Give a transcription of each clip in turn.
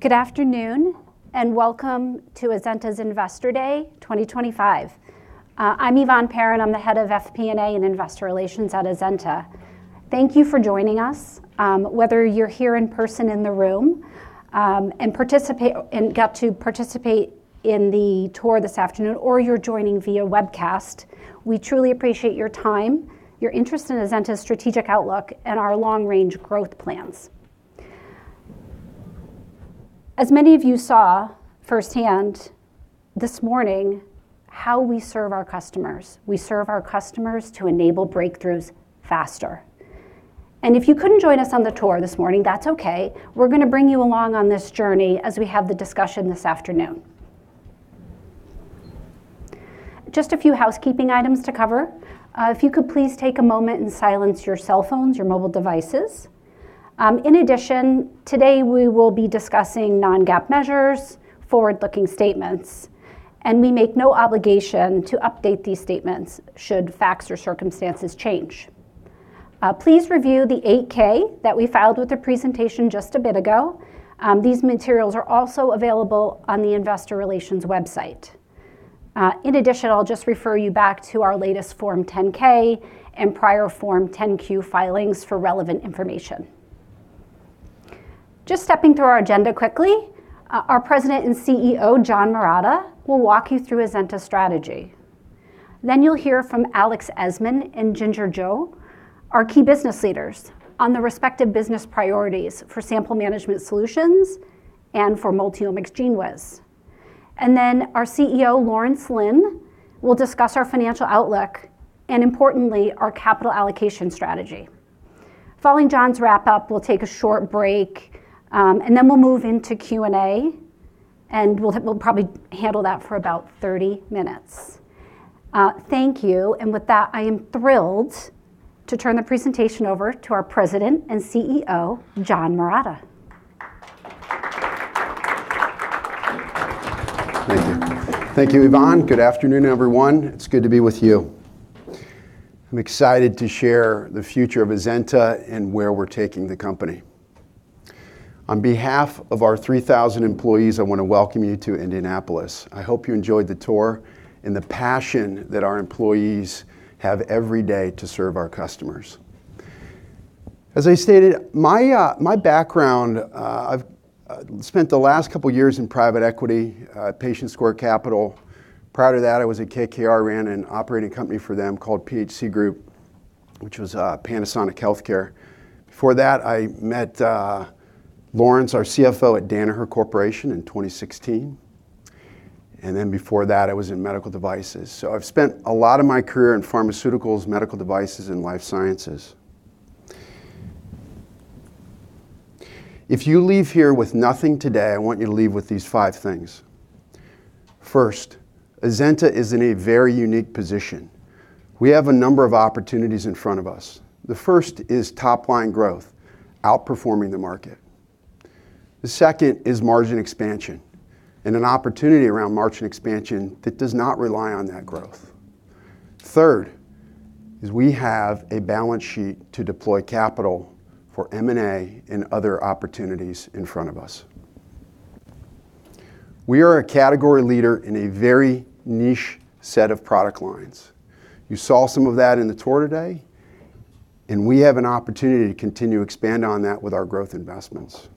Good afternoon and welcome to Azenta's Investor Day 2025. I'm Yvonne Perron. I'm the head of FP&A and Investor Relations at Azenta. Thank you for joining us, whether you're here in person in the room and got to participate in the tour this afternoon, or you're joining via webcast. We truly appreciate your time, your interest in Azenta's strategic outlook, and our long-range growth plans. As many of you saw firsthand this morning, how we serve our customers. We serve our customers to enable breakthroughs faster, and if you couldn't join us on the tour this morning, that's okay. We're going to bring you along on this journey as we have the discussion this afternoon. Just a few housekeeping items to cover. If you could please take a moment and silence your cell phones, your mobile devices. In addition, today we will be discussing non-GAAP measures, forward-looking statements, and we make no obligation to update these statements should facts or circumstances change. Please review the 8-K that we filed with the presentation just a bit ago. These materials are also available on the Investor Relations website. In addition, I'll just refer you back to our latest Form 10-K and prior Form 10-Q filings for relevant information. Just stepping through our agenda quickly, our President and CEO, John Marotta, will walk you through Azenta's strategy. Then you'll hear from Alex Esmon and Ginger Zhou, our key business leaders, on the respective business priorities for sample management solutions and for Multiomics GENEWIZ, and then our CFO, Lawrence Lin, will discuss our financial outlook and, importantly, our capital allocation strategy. Following John's wrap-up, we'll take a short break, and then we'll move into Q&A, and we'll probably handle that for about 30 minutes. Thank you. And with that, I am thrilled to turn the presentation over to our President and CEO, John Marotta. Thank you. Thank you, Yvonne. Good afternoon, everyone. It's good to be with you. I'm excited to share the future of Azenta and where we're taking the company. On behalf of our 3,000 employees, I want to welcome you to Indianapolis. I hope you enjoyed the tour and the passion that our employees have every day to serve our customers. As I stated, my background, I've spent the last couple of years in private equity, Patient Square Capital. Prior to that, I was at KKR, ran an operating company for them called PHC Group, which was Panasonic Healthcare. Before that, I met Lawrence, our CFO, at Danaher Corporation in 2016. And then before that, I was in medical devices. So I've spent a lot of my career in pharmaceuticals, medical devices, and life sciences. If you leave here with nothing today, I want you to leave with these five things. First, Azenta is in a very unique position. We have a number of opportunities in front of us. The first is top-line growth, outperforming the market. The second is margin expansion and an opportunity around margin expansion that does not rely on that growth. Third is we have a balance sheet to deploy capital for M&A and other opportunities in front of us. We are a category leader in a very niche set of product lines. You saw some of that in the tour today, and we have an opportunity to continue to expand on that with our growth investments.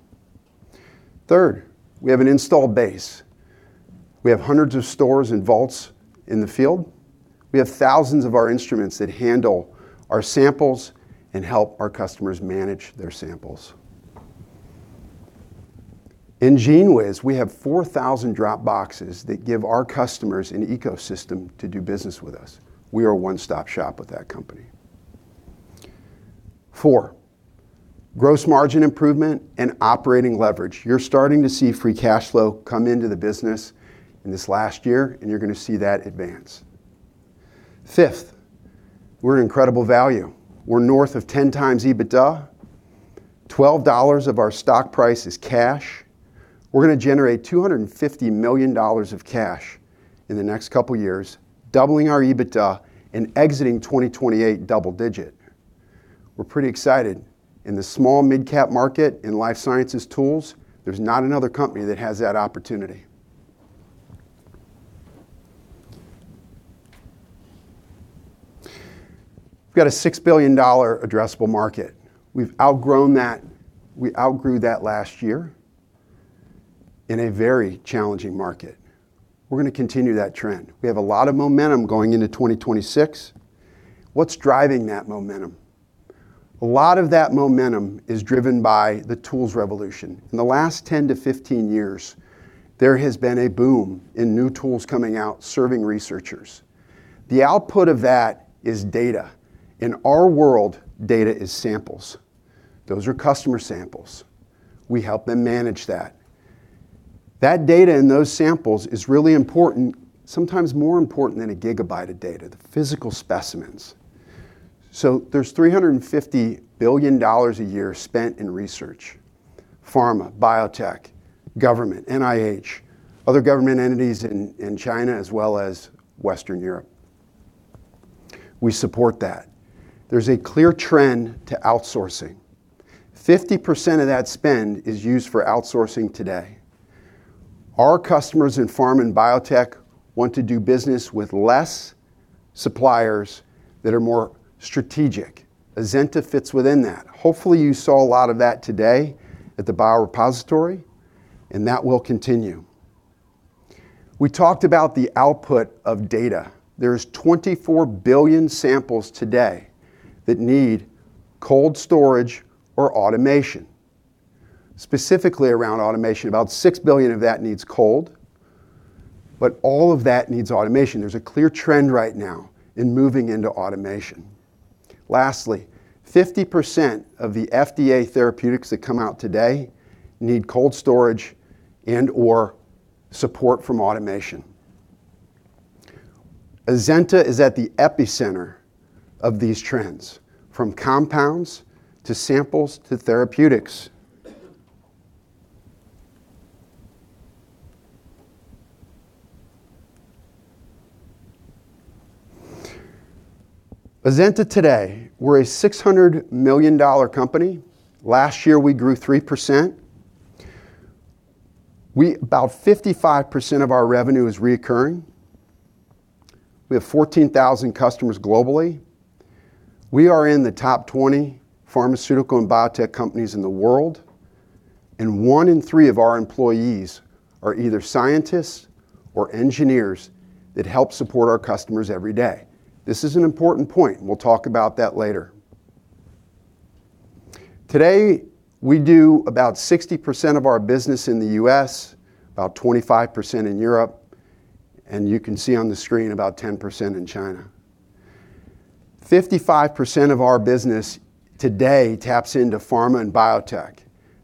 Third, we have an installed base. We have hundreds of stores and vaults in the field. We have thousands of our instruments that handle our samples and help our customers manage their samples. In GENEWIZ, we have 4,000 drop boxes that give our customers an ecosystem to do business with us. We are a one-stop shop with that company. Four, gross margin improvement and operating leverage. You're starting to see free cash flow come into the business in this last year, and you're going to see that advance. Fifth, we're an incredible value. We're north of 10x EBITDA. $12 of our stock price is cash. We're going to generate $250 million of cash in the next couple of years, doubling our EBITDA and exiting 2028 double-digit. We're pretty excited. In the small mid-cap market in life sciences tools, there's not another company that has that opportunity. We've got a $6 billion addressable market. We've outgrown that. We outgrew that last year in a very challenging market. We're going to continue that trend. We have a lot of momentum going into 2026. What's driving that momentum? A lot of that momentum is driven by the tools revolution. In the last 10 years-15 years, there has been a boom in new tools coming out serving researchers. The output of that is data. In our world, data is samples. Those are customer samples. We help them manage that. That data and those samples is really important, sometimes more important than a gigabyte of data, the physical specimens. So there's $350 billion a year spent in research, pharma, biotech, government, NIH, other government entities in China, as well as Western Europe. We support that. There's a clear trend to outsourcing. 50% of that spend is used for outsourcing today. Our customers in pharma and biotech want to do business with less suppliers that are more strategic. Azenta fits within that. Hopefully, you saw a lot of that today at the Biorepository, and that will continue. We talked about the output of data. There's 24 billion samples today that need cold storage or automation, specifically around automation. About 6 billion of that needs cold, but all of that needs automation. There's a clear trend right now in moving into automation. Lastly, 50% of the FDA therapeutics that come out today need cold storage and/or support from automation. Azenta is at the epicenter of these trends, from compounds to samples to therapeutics. Azenta today, we're a $600 million company. Last year, we grew 3%. About 55% of our revenue is recurring. We have 14,000 customers globally. We are in the top 20 pharmaceutical and biotech companies in the world, and one in three of our employees are either scientists or engineers that help support our customers every day. This is an important point, and we'll talk about that later. Today, we do about 60% of our business in the U.S., about 25% in Europe, and you can see on the screen about 10% in China. 55% of our business today taps into pharma and biotech.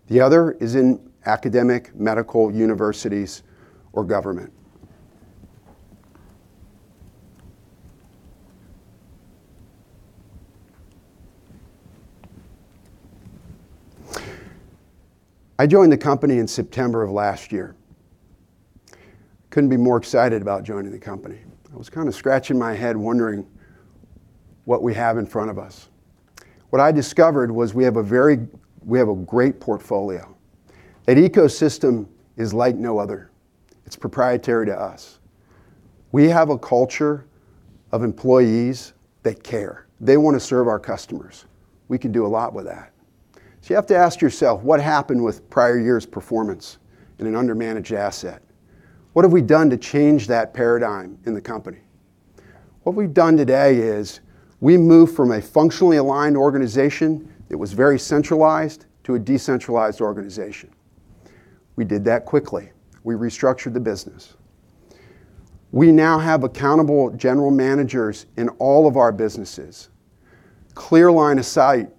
The other is in academic, medical universities, or government. I joined the company in September of last year. Couldn't be more excited about joining the company. I was kind of scratching my head wondering what we have in front of us. What I discovered was we have a great portfolio. That ecosystem is like no other. It's proprietary to us. We have a culture of employees that care. They want to serve our customers. We can do a lot with that. So you have to ask yourself, what happened with prior year's performance in an undermanaged asset? What have we done to change that paradigm in the company? What we've done today is we moved from a functionally aligned organization that was very centralized to a decentralized organization. We did that quickly. We restructured the business. We now have accountable general managers in all of our businesses, clear line of sight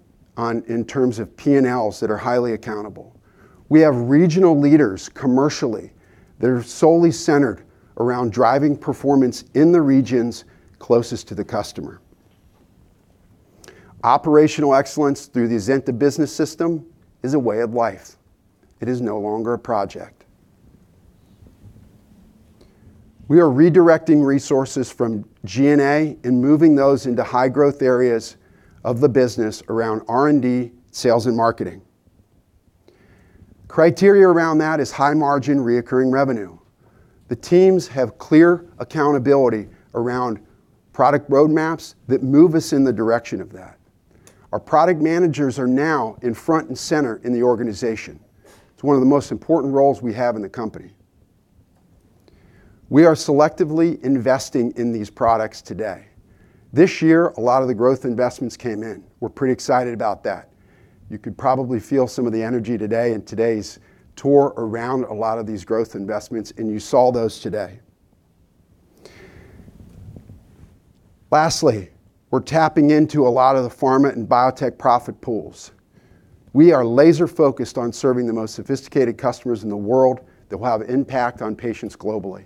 in terms of P&Ls that are highly accountable. We have regional leaders Commercially that are solely centered around driving performance in the regions closest to the customer. Operational excellence through the Azenta Business System is a way of life. It is no longer a project. We are redirecting resources from G&A and moving those into high-growth areas of the business around R&D, sales, and marketing. Criteria around that is high margin recurring revenue. The teams have clear accountability around product roadmaps that move us in the direction of that. Our product managers are now in front and center in the organization. It's one of the most important roles we have in the company. We are selectively investing in these products today. This year, a lot of the growth investments came in. We're pretty excited about that. You could probably feel some of the energy today in today's tour around a lot of these growth investments, and you saw those today. Lastly, we're tapping into a lot of the pharma and biotech profit pools. We are laser-focused on serving the most sophisticated customers in the world that will have impact on patients globally.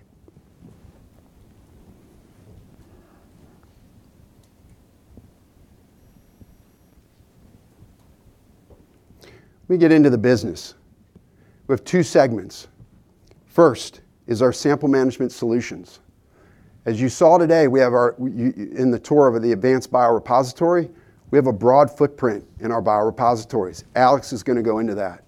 Let me get into the business. We have two segments. First is our sample management solutions. As you saw today, we have in the tour of the Advanced Biorepository, we have a broad footprint in our Biorepositories. Alex is going to go into that.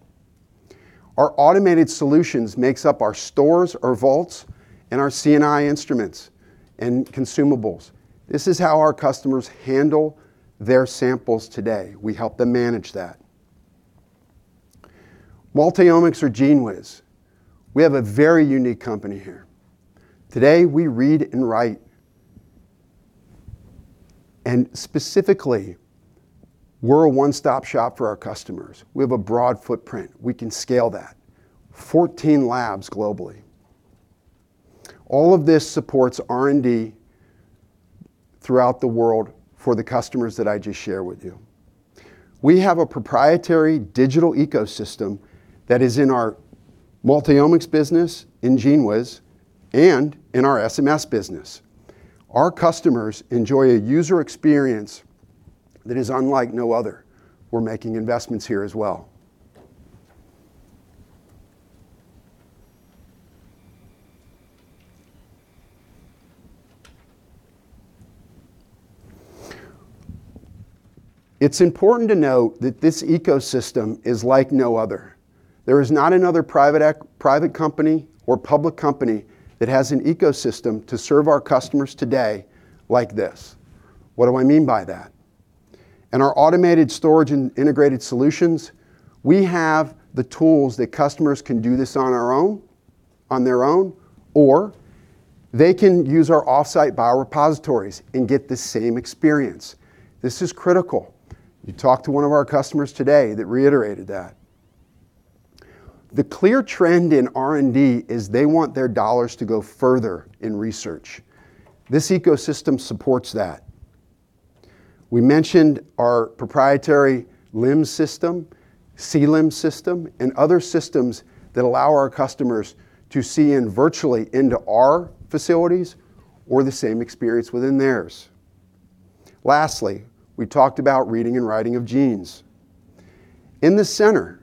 Our automated solutions make up our stores, our vaults, and our C&I instruments and consumables. This is how our customers handle their samples today. We help them manage that. Multiomics or GENEWIZ, we have a very unique company here. Today, we read and write, and specifically, we're a one-stop shop for our customers. We have a broad footprint. We can scale that, 14 labs globally. All of this supports R&D throughout the world for the customers that I just shared with you. We have a proprietary digital ecosystem that is in our Multiomics business in GENEWIZ and in our SRS business. Our customers enjoy a user experience that is unlike no other. We're making investments here as well. It's important to note that this ecosystem is like no other. There is not another private company or public company that has an ecosystem to serve our customers today like this. What do I mean by that? In our automated storage and integrated solutions, we have the tools that customers can do this on their own, or they can use our off-site Biorepositories and get the same experience. This is critical. You talked to one of our customers today that reiterated that. The clear trend in R&D is they want their dollars to go further in research. This ecosystem supports that. We mentioned our proprietary LIMS system, CLIMS system, and other systems that allow our customers to see in virtually into our facilities or the same experience within theirs. Lastly, we talked about reading and writing of genes. In the center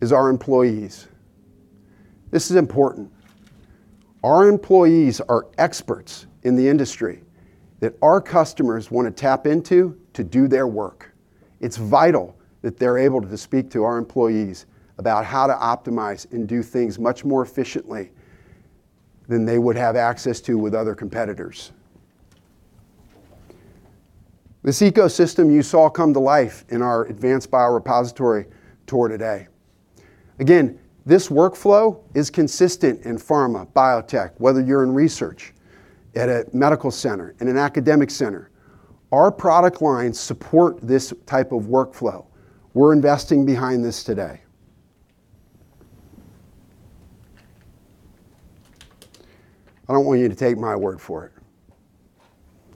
is our employees. This is important. Our employees are experts in the industry that our customers want to tap into to do their work. It's vital that they're able to speak to our employees about how to optimize and do things much more efficiently than they would have access to with other competitors. This ecosystem you saw come to life in our Advanced Biorepository tour today. Again, this workflow is consistent in pharma, biotech, whether you're in research, at a medical center, in an academic center. Our product lines support this type of workflow. We're investing behind this today. I don't want you to take my word for it.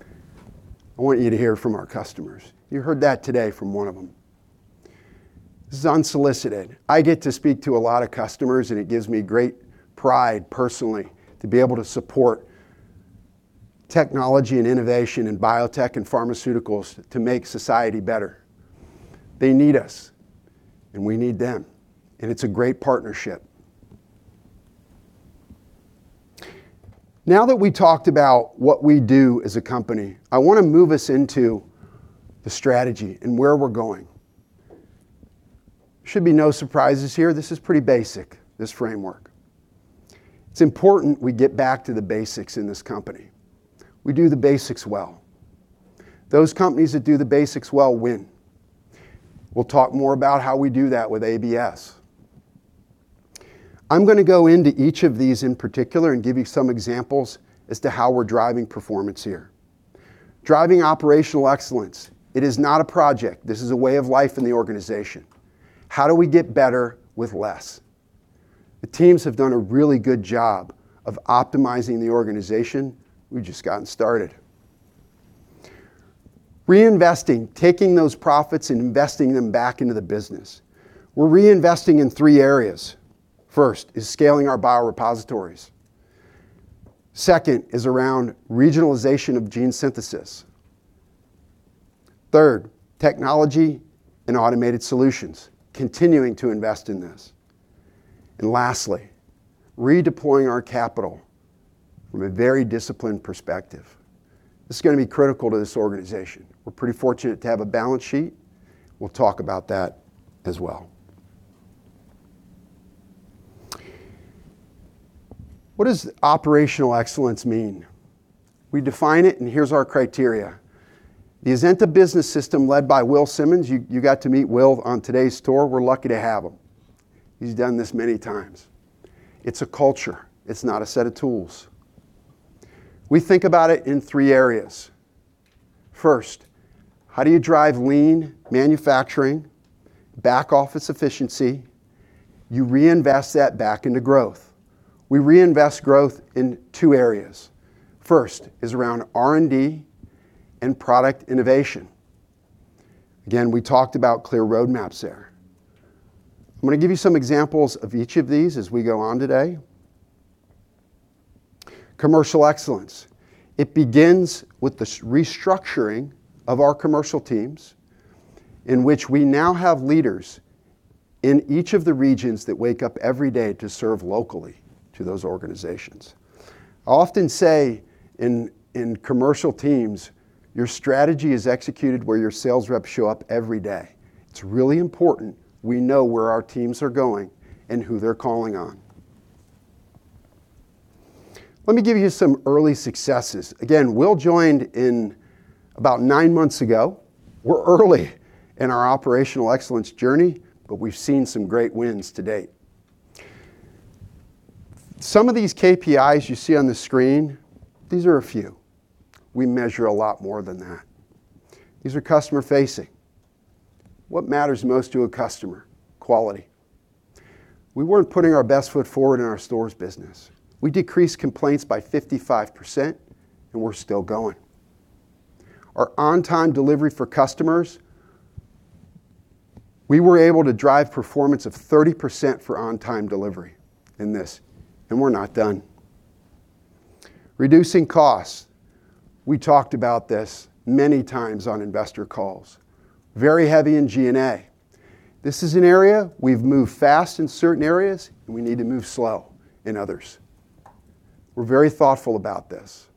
I want you to hear from our customers. You heard that today from one of them. This is unsolicited. I get to speak to a lot of customers, and it gives me great pride personally to be able to support technology and innovation and biotech and pharmaceuticals to make society better. They need us, and we need them, and it's a great partnership. Now that we talked about what we do as a company, I want to move us into the strategy and where we're going. There should be no surprises here. This is pretty basic, this framework. It's important we get back to the basics in this company. We do the basics well. Those companies that do the basics well win. We'll talk more about how we do that with ABS. I'm going to go into each of these in particular and give you some examples as to how we're driving performance here. Driving operational excellence. It is not a project. This is a way of life in the organization. How do we get better with less? The teams have done a really good job of optimizing the organization. We've just gotten started. Reinvesting, taking those profits and investing them back into the business. We're reinvesting in three areas. First is scaling our Biorepositories. Second is around regionalization of Gene Synthesis. Third, technology and automated solutions, continuing to invest in this. And lastly, redeploying our capital from a very disciplined perspective. This is going to be critical to this organization. We're pretty fortunate to have a balance sheet. We'll talk about that as well. What does operational excellence mean? We define it, and here's our criteria. The Azenta Business System led by Will Simmons, you got to meet Will on today's tour. We're lucky to have him. He's done this many times. It's a culture. It's not a set of tools. We think about it in three areas. First, how do you drive lean manufacturing, back office efficiency? You reinvest that back into growth. We reinvest growth in two areas. First is around R&D and product innovation. Again, we talked about clear roadmaps there. I'm going to give you some examples of each of these as we go on today. Commercial Excellence. It begins with the restructuring of our Commercial teams in which we now have leaders in each of the regions that wake up every day to serve locally to those organizations. I often say in Commercial teams, your strategy is executed where your sales reps show up every day. It's really important. We know where our teams are going and who they're calling on. Let me give you some early successes. Again, Will joined about nine months ago. We're early in our operational excellence journey, but we've seen some great wins to date. Some of these KPIs you see on the screen, these are a few. We measure a lot more than that. These are customer-facing. What matters most to a customer? Quality. We weren't putting our best foot forward in our storage business. We decreased complaints by 55%, and we're still going. Our on-time delivery for customers, we were able to drive performance of 30% for on-time delivery in this, and we're not done. Reducing costs. We talked about this many times on investor calls. Very heavy in G&A. This is an area we've moved fast in certain areas, and we need to move slow in others. We're very thoughtful about this.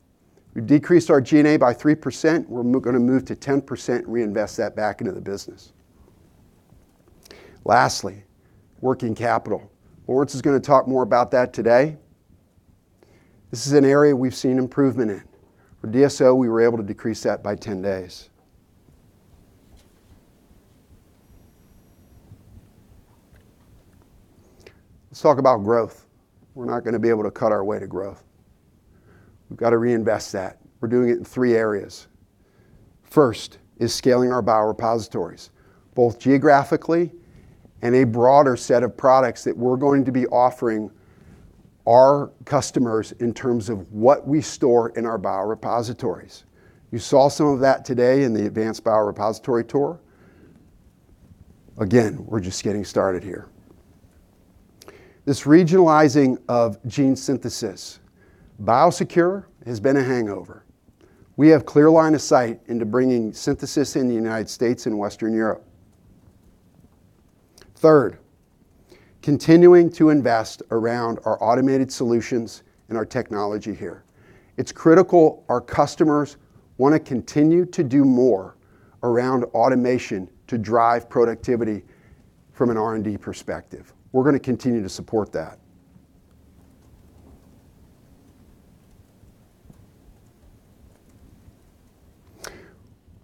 We've decreased our G&A by 3%. We're going to move to 10% and reinvest that back into the business. Lastly, working capital. Robertson's going to talk more about that today. This is an area we've seen improvement in. For DSO, we were able to decrease that by 10 days. Let's talk about growth. We're not going to be able to cut our way to growth. We've got to reinvest that. We're doing it in three areas. First is scaling our Biorepositories, both geographically and a broader set of products that we're going to be offering our customers in terms of what we store in our Biorepositories. You saw some of that today in the Advanced Biorepository tour. Again, we're just getting started here. This regionalizing of Gene Synthesis. BIOSECURE has been a hangover. We have clear line of sight into bringing synthesis in the United States and Western Europe. Third, continuing to invest around our automated solutions and our technology here. It's critical our customers want to continue to do more around automation to drive productivity from an R&D perspective. We're going to continue to support that.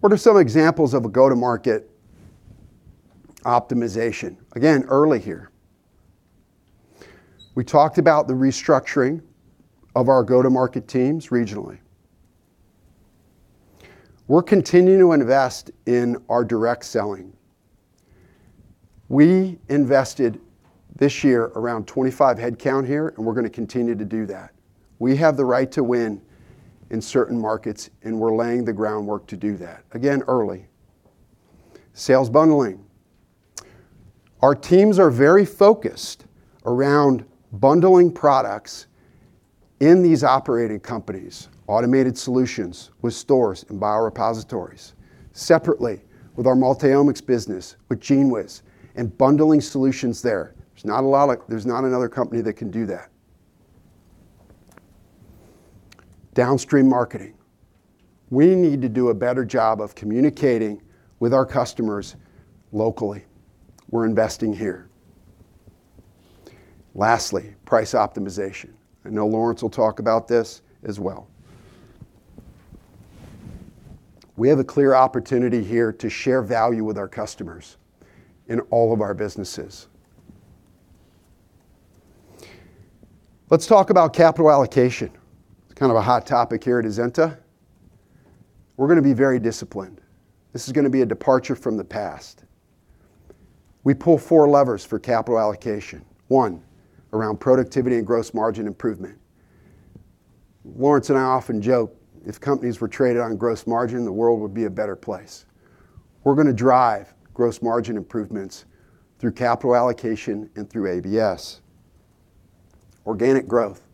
What are some examples of a go-to-market optimization? Again, early here. We talked about the restructuring of our go-to-market teams regionally. We're continuing to invest in our direct selling. We invested this year around 25 headcount here, and we're going to continue to do that. We have the right to win in certain markets, and we're laying the groundwork to do that. Again, early. Sales bundling. Our teams are very focused around bundling products in these operating companies, automated solutions with stores and Biorepositories. Separately, with our Multiomics business, with GENEWIZ and bundling solutions there. There's not another company that can do that. Downstream marketing. We need to do a better job of communicating with our customers locally. We're investing here. Lastly, price optimization. I know Lawrence will talk about this as well. We have a clear opportunity here to share value with our customers in all of our businesses. Let's talk about capital allocation. It's kind of a hot topic here at Azenta. We're going to be very disciplined. This is going to be a departure from the past. We pull four levers for capital allocation. One, around productivity and gross margin improvement. Lawrence and I often joke if companies were traded on gross margin, the world would be a better place. We're going to drive gross margin improvements through capital allocation and through ABS. Organic growth.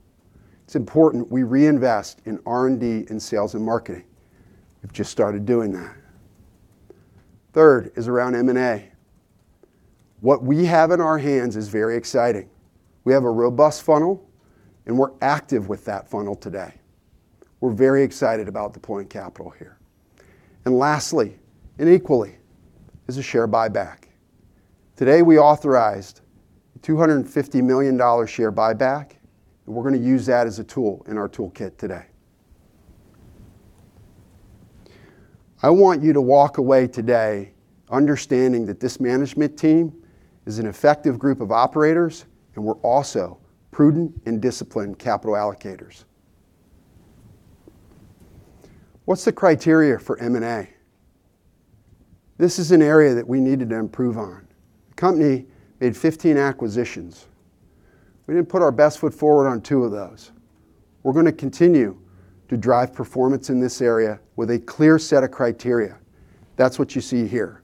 It's important we reinvest in R&D and sales and marketing. We've just started doing that. Third is around M&A. What we have in our hands is very exciting. We have a robust funnel, and we're active with that funnel today. We're very excited about deploying capital here. And lastly, and equally, is a share buyback. Today, we authorized a $250 million share buyback, and we're going to use that as a tool in our toolkit today. I want you to walk away today understanding that this management team is an effective group of operators, and we're also prudent and disciplined capital allocators. What's the criteria for M&A? This is an area that we needed to improve on. The company made 15 acquisitions. We didn't put our best foot forward on two of those. We're going to continue to drive performance in this area with a clear set of criteria. That's what you see here.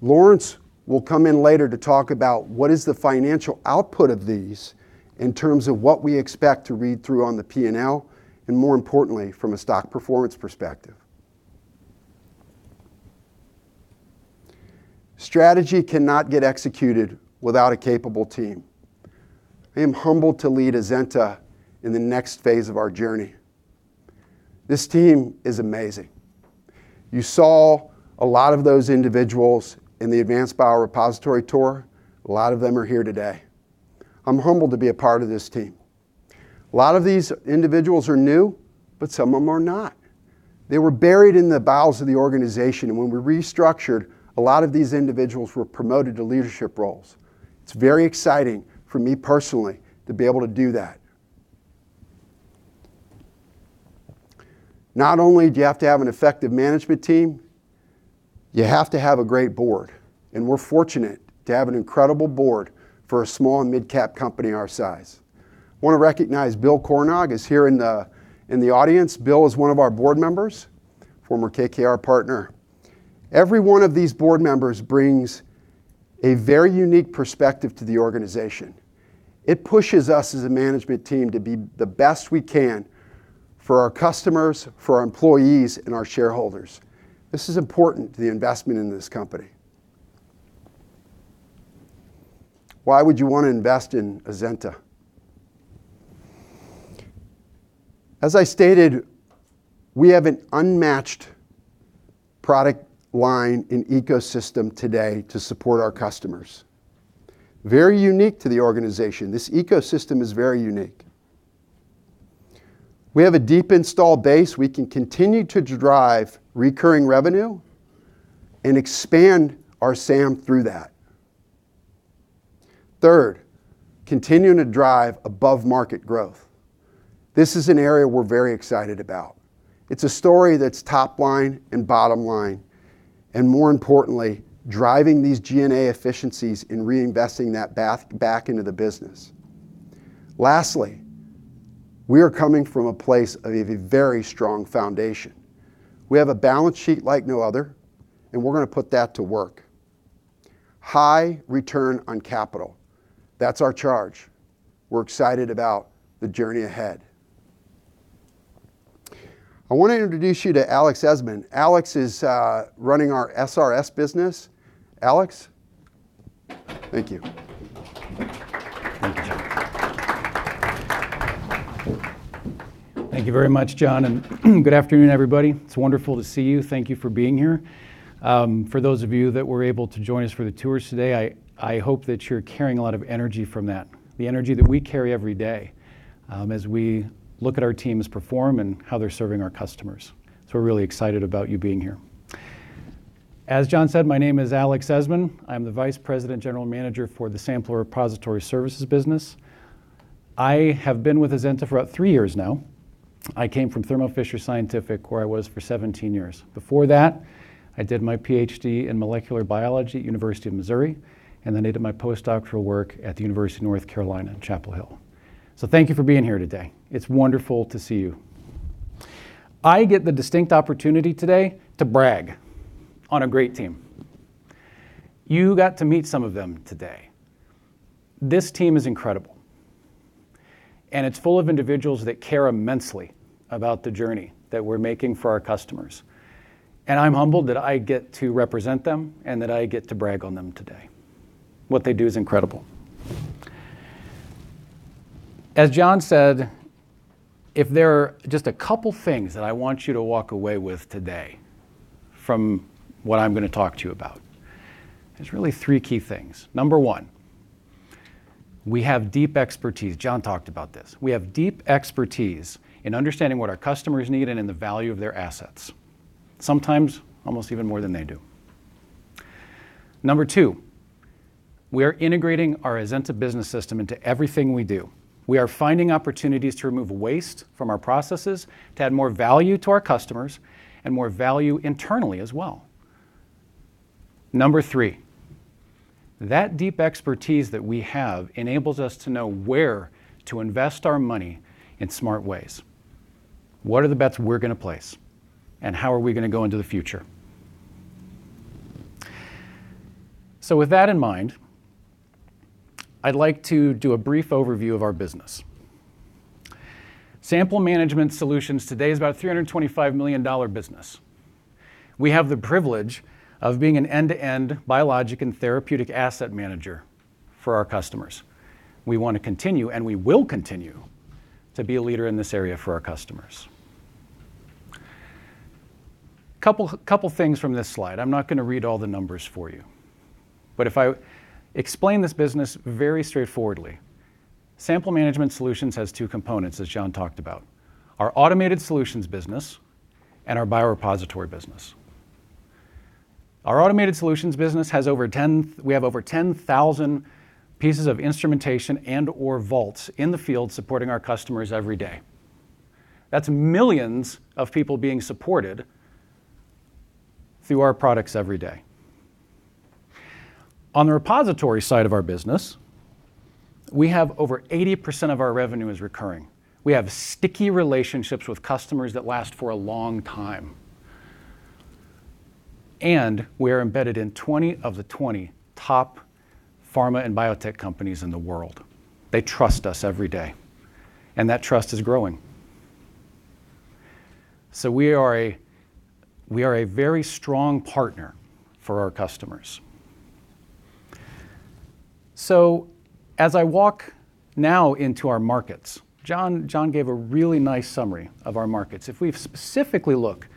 Lawrence will come in later to talk about what is the financial output of these in terms of what we expect to read through on the P&L, and more importantly, from a stock performance perspective. Strategy cannot get executed without a capable team. I am humbled to lead Azenta in the next phase of our journey. This team is amazing. You saw a lot of those individuals in the Advanced Biorepository tour. A lot of them are here today. I'm humbled to be a part of this team. A lot of these individuals are new, but some of them are not. They were buried in the bowels of the organization, and when we restructured, a lot of these individuals were promoted to leadership roles. It's very exciting for me personally to be able to do that. Not only do you have to have an effective management team, you have to have a great board, and we're fortunate to have an incredible board for a small and mid-cap company our size. I want to recognize Bill Cornog is here in the audience. Bill is one of our board members, former KKR partner. Every one of these board members brings a very unique perspective to the organization. It pushes us as a management team to be the best we can for our customers, for our employees, and our shareholders. This is important to the investment in this company. Why would you want to invest in Azenta? As I stated, we have an unmatched product line and ecosystem today to support our customers. Very unique to the organization. This ecosystem is very unique. We have a deep installed base. We can continue to drive recurring revenue and expand our SAM through that. Third, continuing to drive above-market growth. This is an area we're very excited about. It's a story that's top-line and bottom-line, and more importantly, driving these G&A efficiencies and reinvesting that back into the business. Lastly, we are coming from a place of a very strong foundation. We have a balance sheet like no other, and we're going to put that to work. High return on capital. That's our charge. We're excited about the journey ahead. I want to introduce you to Alex Esmon. Alex is running our SRS business. Alex, thank you. Thank you very much, John. And good afternoon, everybody. It's wonderful to see you. Thank you for being here. For those of you that were able to join us for the tours today, I hope that you're carrying a lot of energy from that. The energy that we carry every day as we look at our teams perform and how they're serving our customers. So we're really excited about you being here. As John said, my name is Alex Esmon. I'm the Vice President General Manager for the Sample Repository Services business. I have been with Azenta for about three years now. I came from Thermo Fisher Scientific, where I was for 17 years. Before that, I did my PhD in molecular biology at the University of Missouri, and then I did my postdoctoral work at the University of North Carolina at Chapel Hill. Thank you for being here today. It's wonderful to see you. I get the distinct opportunity today to brag on a great team. You got to meet some of them today. This team is incredible, and it's full of individuals that care immensely about the journey that we're making for our customers. And I'm humbled that I get to represent them and that I get to brag on them today. What they do is incredible. As John said, if there are just a couple of things that I want you to walk away with today from what I'm going to talk to you about, there's really three key things. Number one, we have deep expertise. John talked about this. We have deep expertise in understanding what our customers need and in the value of their assets, sometimes almost even more than they do. Number two, we are integrating our Azenta Business System into everything we do. We are finding opportunities to remove waste from our processes to add more value to our customers and more value internally as well. Number three, that deep expertise that we have enables us to know where to invest our money in smart ways. What are the bets we're going to place, and how are we going to go into the future? So with that in mind, I'd like to do a brief overview of our business. Sample Management Solutions today is about a $325 million business. We have the privilege of being an end-to-end biologic and therapeutic asset manager for our customers. We want to continue, and we will continue to be a leader in this area for our customers. A couple of things from this slide. I'm not going to read all the numbers for you, but if I explain this business very straightforwardly, Sample Management Solutions has two components, as John talked about: our automated solutions business and our biorepository business. Our automated solutions business has over 10,000 pieces of instrumentation and/or vaults in the field supporting our customers every day. That's millions of people being supported through our products every day. On the repository side of our business, we have over 80% of our revenue is recurring. We have sticky relationships with customers that last for a long time, and we are embedded in 20 of the 20 top pharma and biotech companies in the world. They trust us every day, and that trust is growing, so we are a very strong partner for our customers, so as I walk now into our markets, John gave a really nice summary of our markets. If we specifically look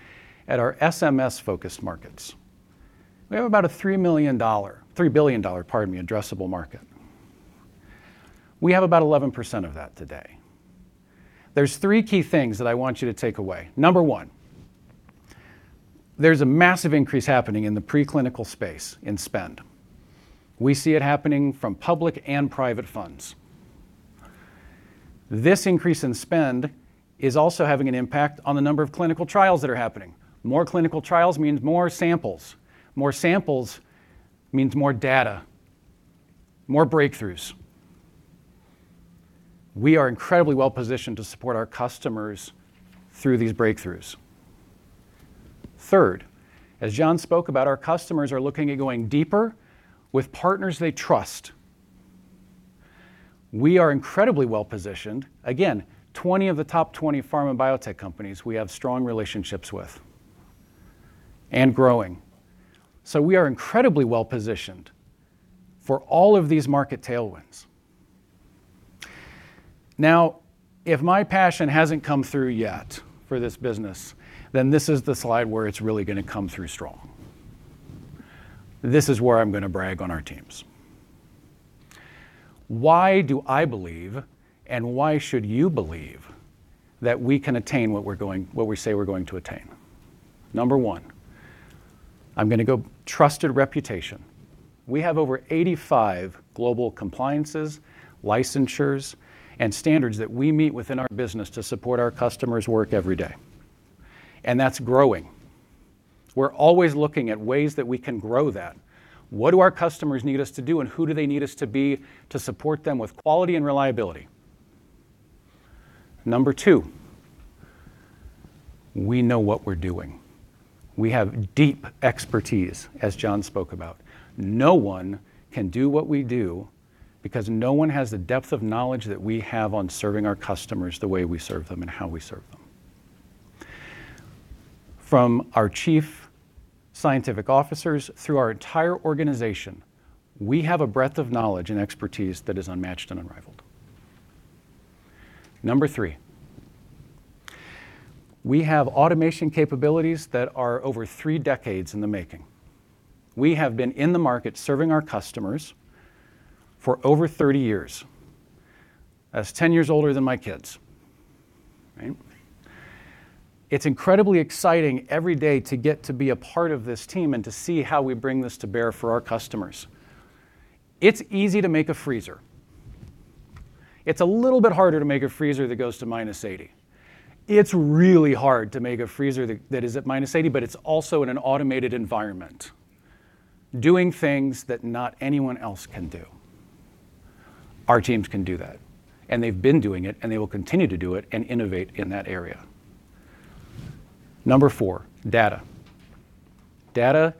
at our SRS-focused markets, we have about a $3 billion, pardon me, addressable market. We have about 11% of that today. There's three key things that I want you to take away. Number one, there's a massive increase happening in the preclinical space in spend. We see it happening from public and private funds. This increase in spend is also having an impact on the number of clinical trials that are happening. More clinical trials means more samples. More samples means more data, more breakthroughs. We are incredibly well-positioned to support our customers through these breakthroughs. Third, as John spoke about, our customers are looking at going deeper with partners they trust. We are incredibly well-positioned. Again, 20 of the top 20 pharma and biotech companies we have strong relationships with and growing. So we are incredibly well-positioned for all of these market tailwinds. Now, if my passion hasn't come through yet for this business, then this is the slide where it's really going to come through strong. This is where I'm going to brag on our teams. Why do I believe, and why should you believe, that we can attain what we say we're going to attain? Number one, I'm going to go trusted reputation. We have over 85 global compliances, licensures, and standards that we meet within our business to support our customers' work every day, and that's growing. We're always looking at ways that we can grow that. What do our customers need us to do, and who do they need us to be to support them with quality and reliability? Number two, we know what we're doing. We have deep expertise, as John spoke about. No one can do what we do because no one has the depth of knowledge that we have on serving our customers the way we serve them and how we serve them. From our Chief Scientific Officers through our entire organization, we have a breadth of knowledge and expertise that is unmatched and unrivaled. Number three, we have automation capabilities that are over three decades in the making. We have been in the market serving our customers for over 30 years. That's 10 years older than my kids. It's incredibly exciting every day to get to be a part of this team and to see how we bring this to bear for our customers. It's easy to make a freezer. It's a little bit harder to make a freezer that goes to -80. It's really hard to make a freezer that is at -80, but it's also in an automated environment doing things that not anyone else can do. Our teams can do that, and they've been doing it, and they will continue to do it and innovate in that area. Number four, data. Data,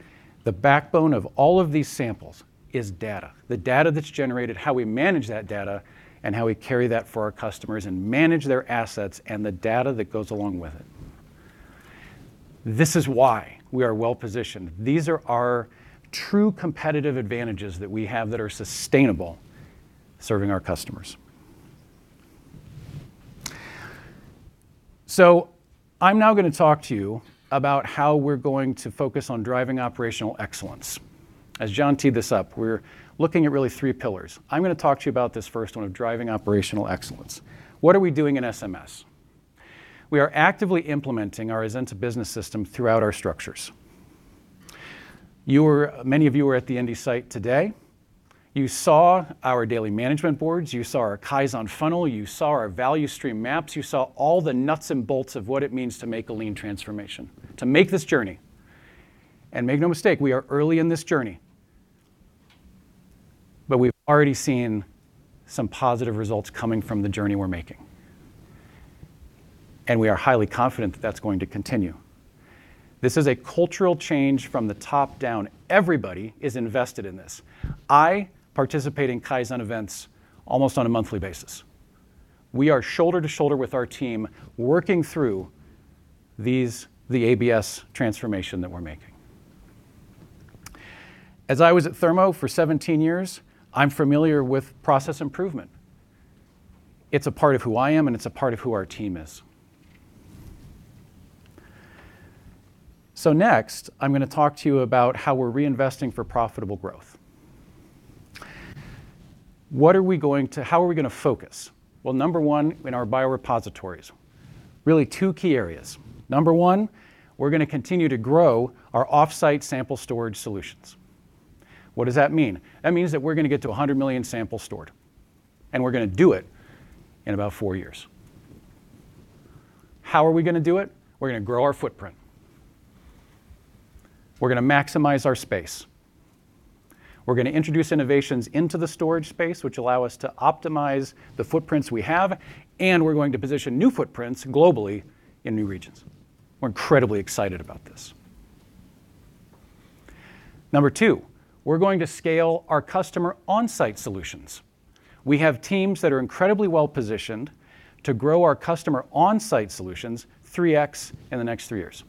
the backbone of all of these samples, is data. The data that's generated, how we manage that data, and how we carry that for our customers and manage their assets and the data that goes along with it. This is why we are well-positioned. These are our true competitive advantages that we have that are sustainable serving our customers. So I'm now going to talk to you about how we're going to focus on driving operational excellence. As John teed this up, we're looking at really three pillars. I'm going to talk to you about this first one of driving operational excellence. What are we doing in SRS? We are actively implementing our Azenta Business System throughout our structures. Many of you were at the Indy site today. You saw our daily management boards. You saw our Kaizen funnel. You saw our value stream maps. You saw all the nuts and bolts of what it means to make a lean transformation, to make this journey. And make no mistake, we are early in this journey, but we've already seen some positive results coming from the journey we're making. And we are highly confident that that's going to continue. This is a cultural change from the top down. Everybody is invested in this. I participate in Kaizen events almost on a monthly basis. We are shoulder to shoulder with our team working through the ABS transformation that we're making. As I was at Thermo for 17 years, I'm familiar with process improvement. It's a part of who I am, and it's a part of who our team is. So next, I'm going to talk to you about how we're reinvesting for profitable growth. How are we going to focus? Well, number one, in our biorepositories, really two key areas. Number one, we're going to continue to grow our off-site sample storage solutions. What does that mean? That means that we're going to get to 100 million samples stored, and we're going to do it in about four years. How are we going to do it? We're going to grow our footprint. We're going to maximize our space. We're going to introduce innovations into the storage space, which allow us to optimize the footprints we have, and we're going to position new footprints globally in new regions. We're incredibly excited about this. Number two, we're going to scale our customer on-site solutions. We have teams that are incredibly well-positioned to grow our customer on-site solutions 3x in the next three years.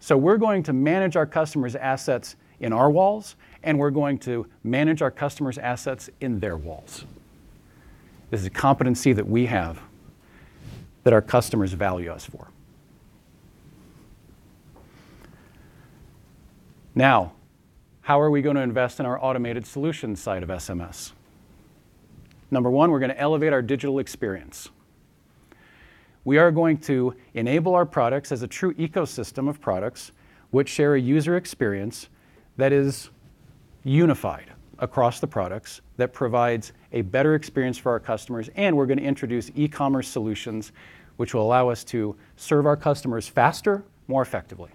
So we're going to manage our customers' assets in our walls, and we're going to manage our customers' assets in their walls. This is a competency that we have that our customers value us for. Now, how are we going to invest in our automated solution side of SRS? Number one, we're going to elevate our digital experience. We are going to enable our products as a true ecosystem of products which share a user experience that is unified across the products that provides a better experience for our customers. And we're going to introduce e-commerce solutions which will allow us to serve our customers faster, more effectively.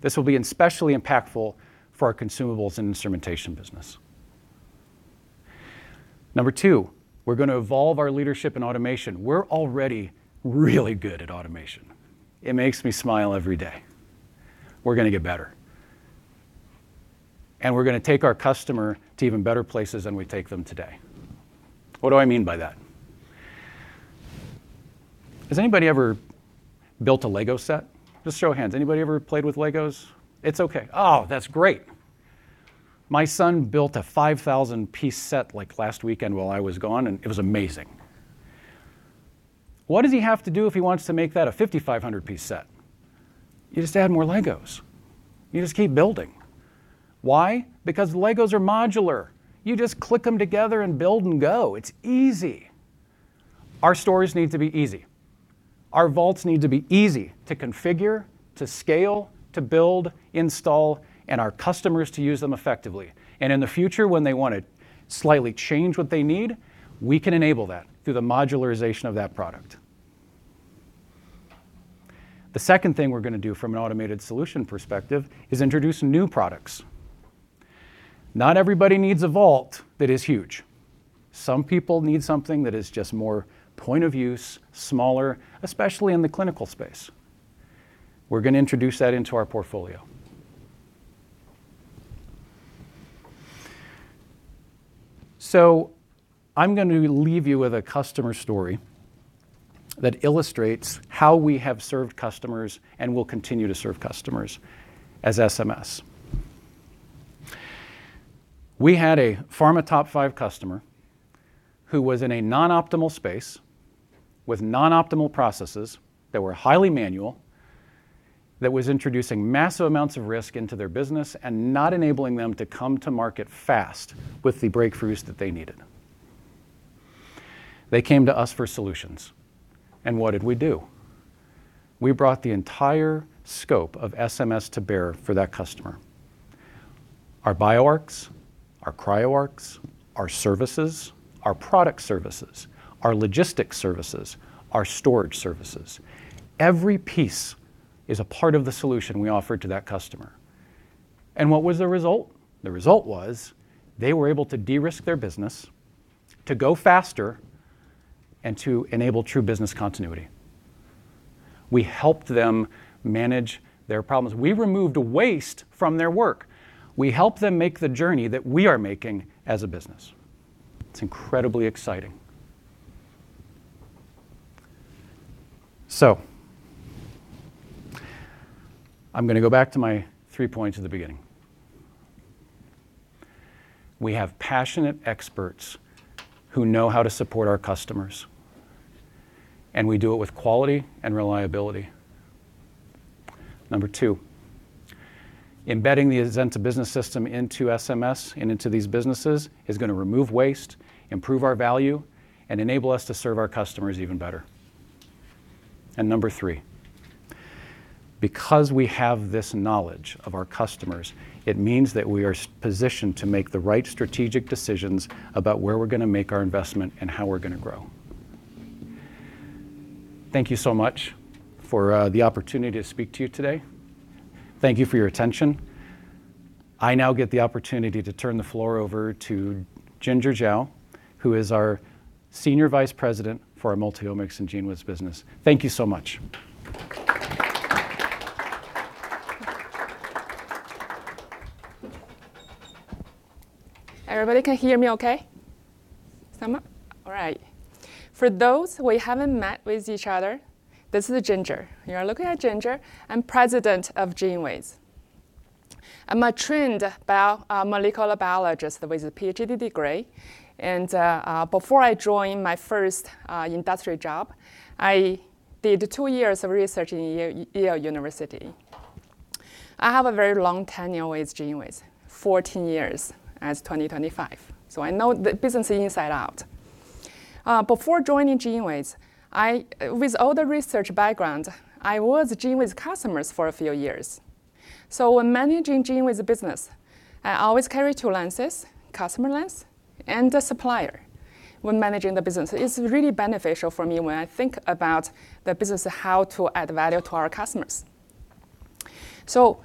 This will be especially impactful for our consumables and instrumentation business. Number two, we're going to evolve our leadership in automation. We're already really good at automation. It makes me smile every day. We're going to get better. And we're going to take our customer to even better places than we take them today. What do I mean by that? Has anybody ever built a Lego set? Just show of hands. Anybody ever played with Legos? It's okay. Oh, that's great. My son built a 5,000-piece set last weekend while I was gone, and it was amazing. What does he have to do if he wants to make that a 5,500-piece set? You just add more Legos. You just keep building. Why? Because Legos are modular. You just click them together and build and go. It's easy. Our stories need to be easy. Our vaults need to be easy to configure, to scale, to build, install, and our customers to use them effectively. And in the future, when they want to slightly change what they need, we can enable that through the modularization of that product. The second thing we're going to do from an automated solution perspective is introduce new products. Not everybody needs a vault that is huge. Some people need something that is just more point of use, smaller, especially in the clinical space. We're going to introduce that into our portfolio. So I'm going to leave you with a customer story that illustrates how we have served customers and will continue to serve customers as SRS. We had a pharma top-five customer who was in a non-optimal space with non-optimal processes that were highly manual, that was introducing massive amounts of risk into their business and not enabling them to come to market fast with the breakthroughs that they needed. They came to us for solutions. And what did we do? We brought the entire scope of SRS to bear for that customer. Our BioArcs, our CryoArcs, our services, our product services, our logistics services, our storage services. Every piece is a part of the solution we offered to that customer. And what was the result? The result was they were able to de-risk their business, to go faster, and to enable true business continuity. We helped them manage their problems. We removed waste from their work. We helped them make the journey that we are making as a business. It's incredibly exciting, so I'm going to go back to my three points at the beginning. We have passionate experts who know how to support our customers, and we do it with quality and reliability. Number two, embedding the Azenta Business System into SRS and into these businesses is going to remove waste, improve our value, and enable us to serve our customers even better, and number three, because we have this knowledge of our customers, it means that we are positioned to make the right strategic decisions about where we're going to make our investment and how we're going to grow. Thank you so much for the opportunity to speak to you today. Thank you for your attention. I now get the opportunity to turn the floor over to Ginger Zhou, who is our Senior Vice President for our Multiomics and GENEWIZ business. Thank you so much. Everybody can hear me okay? All right. For those who haven't met with each other, this is Ginger. You are looking at Ginger. I'm president of GENEWIZ. I'm a trained Molecular Biologist with a PhD degree, and before I joined my first industry job, I did two years of research in Yale University. I have a very long tenure with GENEWIZ, 14 years as of 2025. So I know the business inside out. Before joining GENEWIZ, with all the research background, I was GENEWIZ customers for a few years. So when managing GENEWIZ business, I always carry two lenses: customer lens and the supplier when managing the business. It's really beneficial for me when I think about the business, how to add value to our customers. So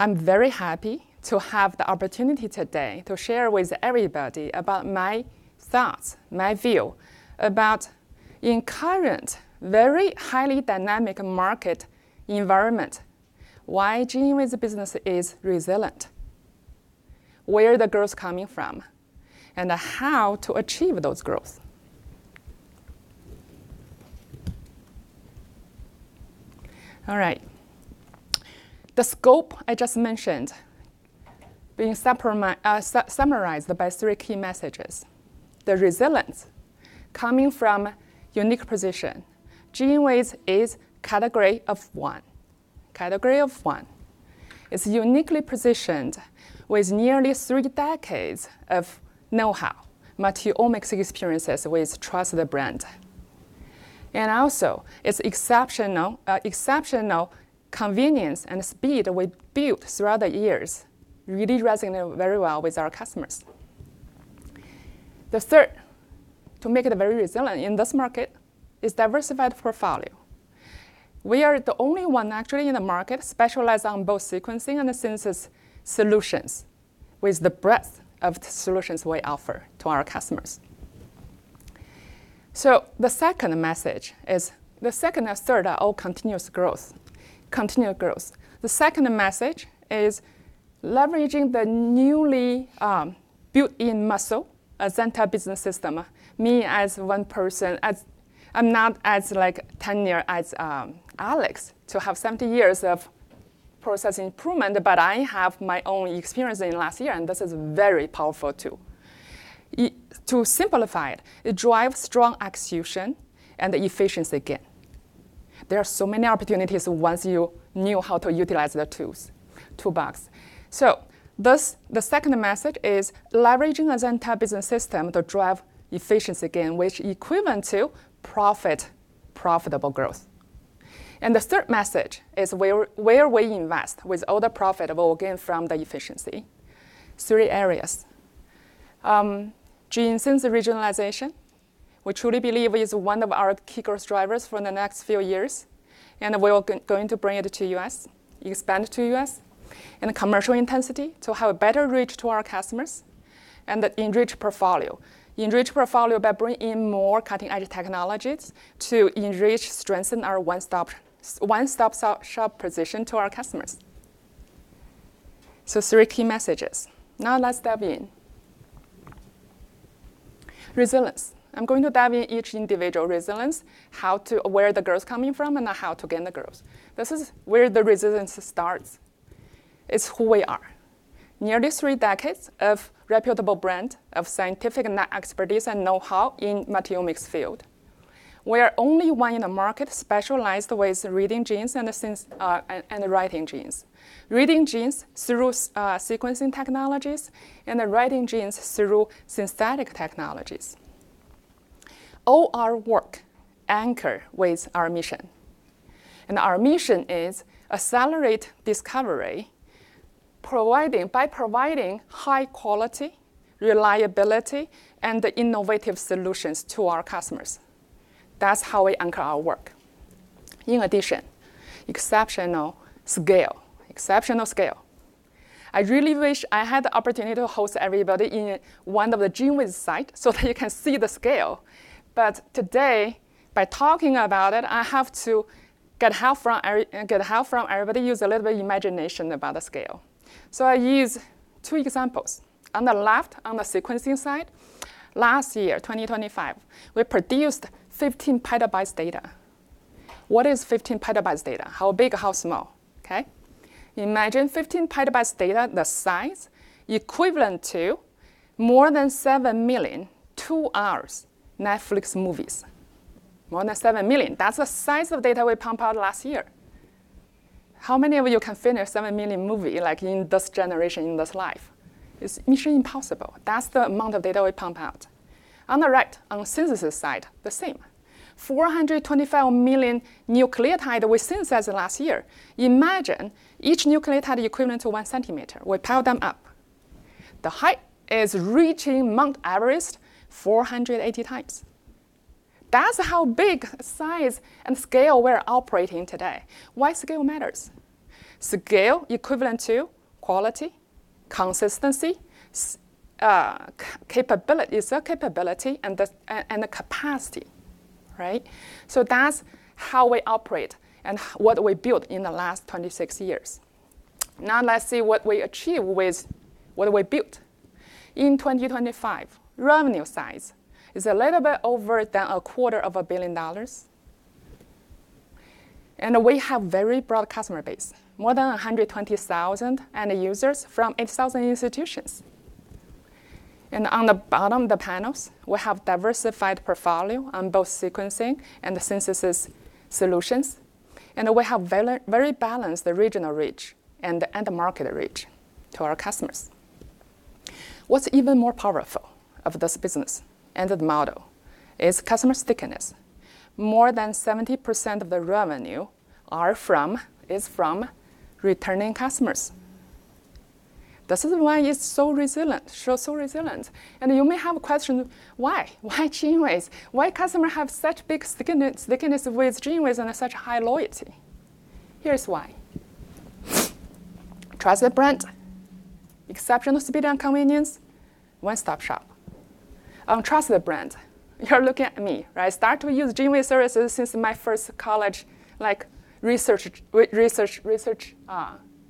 I'm very happy to have the opportunity today to share with everybody about my thoughts, my view about in current very highly dynamic market environment, why GENEWIZ business is resilient, where the growth is coming from, and how to achieve those growth. All right. The scope I just mentioned being summarized by three key messages. The resilience coming from unique position. GENEWIZ is category of one. Category of one. It's uniquely positioned with nearly three decades of know-how, Multiomics experiences with trusted brand. And also, it's exceptional convenience and speed we built throughout the years, really resonating very well with our customers. The third, to make it very resilient in this market, is diversified portfolio. We are the only one actually in the market specialized on both Sequencing and the synthesis solutions with the breadth of solutions we offer to our customers. So the second message is the second and third are all continuous growth. Continuous growth. The second message is leveraging the newly built-in muscle, Azenta Business System. Me as one person, I'm not as tenured as Alex to have 70 years of process improvement, but I have my own experience in the last year, and this is very powerful too. To simplify it, it drives strong execution and efficiency gain. There are so many opportunities once you know how to utilize the tools. So the second message is leveraging Azenta Business System to drive efficiency gain, which is equivalent to profitable growth. And the third message is where we invest with all the profitable gain from the efficiency. Three areas. Gene Synthesis regionalization, we truly believe is one of our key growth drivers for the next few years. And we are going to bring it to the U.S., expand to the U.S., and Commercial intensity to have a better reach to our customers and enrich portfolio. Enrich portfolio by bringing in more cutting-edge technologies to enrich, strengthen our one-stop shop position to our customers. So three key messages. Now let's dive in. Resilience. I'm going to dive in each individual. Resilience, how and where the growth is coming from and how to gain the growth. This is where the resilience starts. It's who we are. Nearly three decades of reputable brand of scientific expertise and know-how in Multiomics field. We are only one in the market specialized with reading genes and writing genes. Reading genes through Sequencing technologies and writing genes through synthetic technologies. All our work anchor with our mission. And our mission is accelerate discovery by providing high quality, reliability, and innovative solutions to our customers. That's how we anchor our work. In addition, exceptional scale. Exceptional scale. I really wish I had the opportunity to host everybody in one of the GENEWIZ sites so that you can see the scale, but today, by talking about it, I have to get help from everybody use a little bit of imagination about the scale, so I use two examples. On the left, on the Sequencing side, last year, 2025, we produced 15 PB data. What is 15 PB data? How big, how small? Okay. Imagine 15 PB data, the size equivalent to more than 7 million two-hour Netflix movies. More than 7 million. That's the size of data we pumped out last year. How many of you can finish 7 million movies in this generation, in this life? It's mission impossible. That's the amount of data we pumped out. On the right, on the synthesis side, the same. 425 million nucleotides we synthesized last year. Imagine each nucleotide equivalent to one centimeter. We piled them up. The height is reaching Mount Everest 480 times. That's how big size and scale we're operating today. Why scale matters? Scale equivalent to quality, consistency, capability, and the capacity. Right? So that's how we operate and what we built in the last 26 years. Now let's see what we achieve with what we built. In 2025, revenue size is a little bit over $250 million, and we have a very broad customer base, more than 120,000 end users from 8,000 institutions, and on the bottom of the panels, we have diversified portfolio on both Sequencing and synthesis solutions, and we have very balanced regional reach and market reach to our customers. What's even more powerful of this business and the model is customer stickiness. More than 70% of the revenue is from returning customers. This is why it's so resilient. And you may have a question, why? Why GENEWIZ? Why do customers have such big stickiness with GENEWIZ and such high loyalty? Here's why. Trusted brand, exceptional speed and convenience, one-stop shop. On trusted brand, you're looking at me, right? Started to use GENEWIZ services since my first college research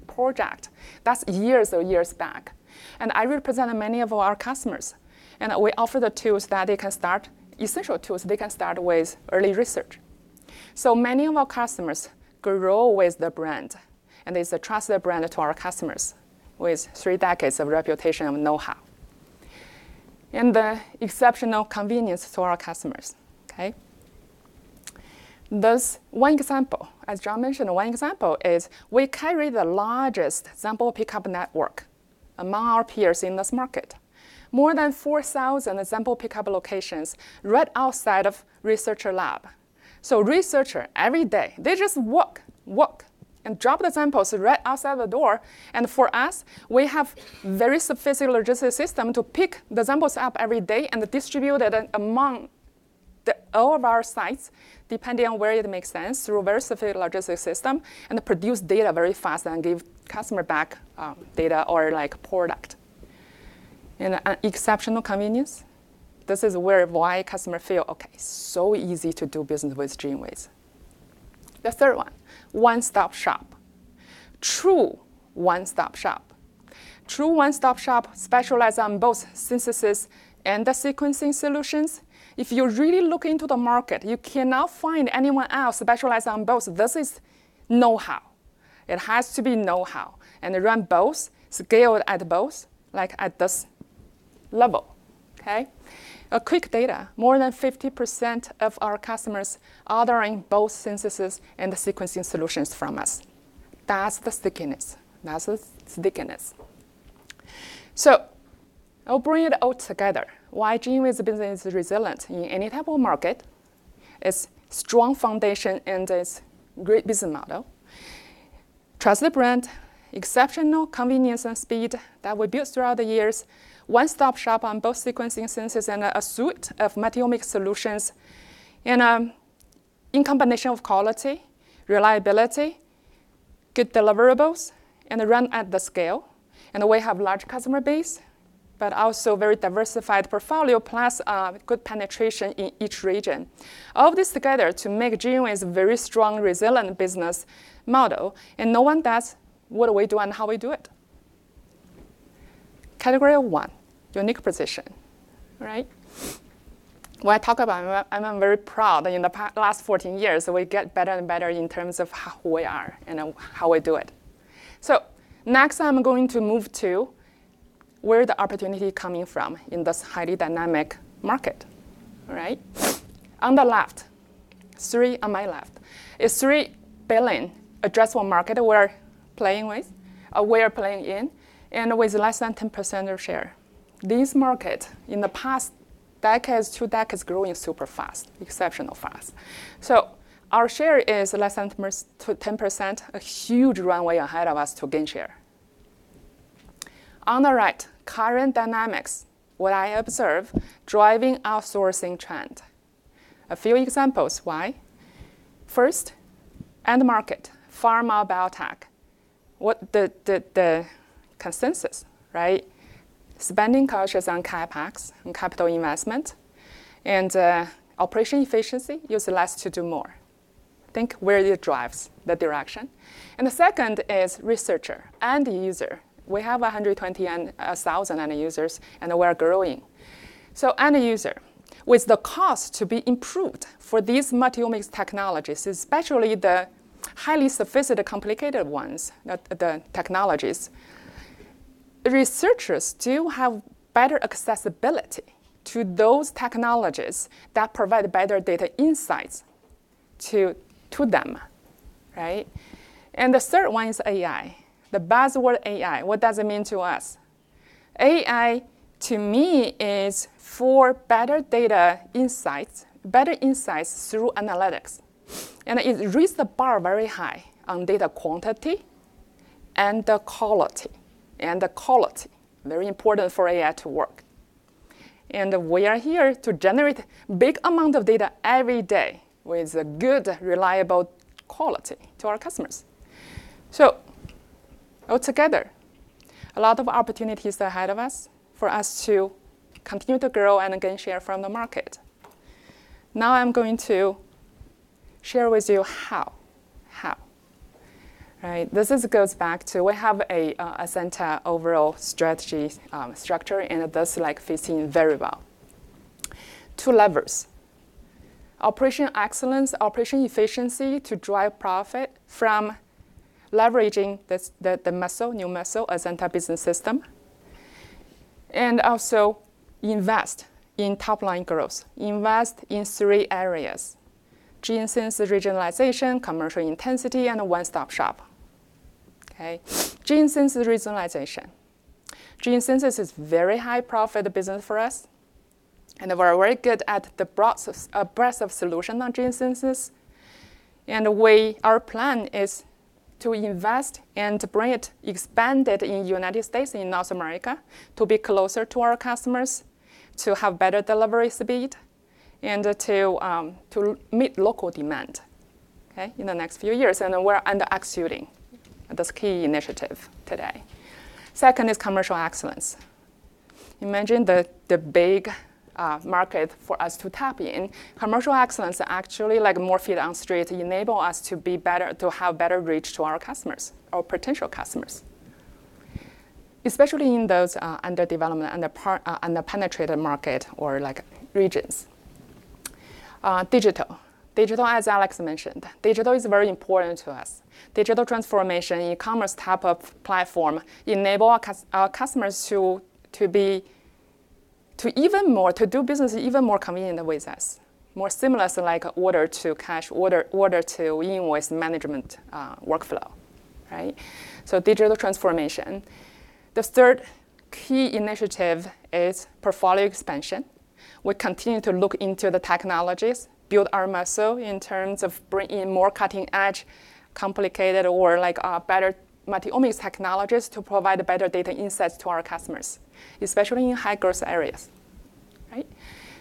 project. That's years and years back. And I represented many of our customers. And we offer the tools that they can start, essential tools they can start with early research. So many of our customers grow with the brand. And it's a trusted brand to our customers with three decades of reputation of know-how. And the exceptional convenience to our customers. Okay? One example, as John mentioned, one example is we carry the largest sample pickup network among our peers in this market. More than 4,000 sample pickup locations right outside of researcher lab, so researchers every day they just walk, walk, and drop the samples right outside the door, and for us we have a very sophisticated logistics system to pick the samples up every day and distribute it among all of our sites, depending on where it makes sense through a very sophisticated logistics system and produce data very fast and give customer back data or product, and exceptional convenience. This is why customers feel, okay, so easy to do business with GENEWIZ. The third one, one-stop shop. True one-stop shop. True one-stop shop specialized on both synthesis and the Sequencing solutions. If you really look into the market, you cannot find anyone else specialized on both. This is know-how. It has to be know-how. And run both, scale at both, like at this level. Okay? A quick data, more than 50% of our customers are ordering both synthesis and the Sequencing solutions from us. That's the stickiness. That's the stickiness. So I'll bring it all together. Why GENEWIZ business is resilient in any type of market is strong foundation and its great business model. Trusted brand, exceptional convenience and speed that we built throughout the years. One-stop shop on both Sequencing and synthesis and a suite of Multiomics solutions. And in combination of quality, reliability, good deliverables, and run at the scale. And we have a large customer base, but also very diversified portfolio plus good penetration in each region. All this together to make GENEWIZ a very strong, resilient business model. And no one does what we do and how we do it. Category one, unique position. All right? When I talk about it, I'm very proud that in the last 14 years, we get better and better in terms of who we are and how we do it. So next, I'm going to move to where the opportunity is coming from in this highly dynamic market. All right? On the left, three on my left is $3 billion addressable market we're playing with, or we are playing in, and with less than 10% of share. This market, in the past decade to decade, is growing super fast, exceptionally fast. So our share is less than 10%, a huge runway ahead of us to gain share. On the right, current dynamics, what I observe, driving outsourcing trend. A few examples, why? First, end market, pharma biotech. The consensus, right? Spending cultures on CapEx and capital investment and operational efficiency use less to do more. Think where it drives the direction. And the second is researcher, end user. We have 120,000 end users, and we are growing. So end user, with the cost to be improved for these Multiomics technologies, especially the highly sophisticated, complicated ones, the technologies, researchers do have better accessibility to those technologies that provide better data insights to them. Right? And the third one is AI. The buzzword AI, what does it mean to us? AI, to me, is for better data insights, better insights through analytics. And it reached the bar very high on data quantity and the quality. And the quality is very important for AI to work. And we are here to generate a big amount of data every day with good, reliable quality to our customers. So altogether, a lot of opportunities ahead of us for us to continue to grow and gain share from the market. Now I'm going to share with you how. How? Right? This goes back to we have an Azenta overall strategy structure, and this fits in very well. Two levers: operational excellence, operational efficiency to drive profit from leveraging the new muscle, Azenta Business System. And also invest in top-line growth. Invest in three areas: Gene Synthesis regionalization, commercial intensity, and one-stop shop. Okay? Gene Synthesis regionalization. Gene Synthesis is a very high-profit business for us. And we're very good at the breadth of solution on Gene Synthesis. And our plan is to invest and bring it expanded in the United States, in North America, to be closer to our customers, to have better delivery speed, and to meet local demand. Okay? In the next few years, and we're under-executing this key initiative today. Second is Commercial Excellence. Imagine the big market for us to tap in. Commercial Excellence actually like more feet on the street enables us to have better reach to our customers or potential customers, especially in those under-development, under-penetrated market or regions. Digital. Digital, as Alex mentioned, digital is very important to us. Digital transformation, e-commerce type of platform enables our customers to do business even more conveniently with us, more seamless, like order to cash, order to invoice management workflow. Right? So digital transformation. The third key initiative is portfolio expansion. We continue to look into the technologies, build our muscle in terms of bringing in more cutting-edge, complicated, or better Multiomics technologies to provide better data insights to our customers, especially in high-growth areas. Right?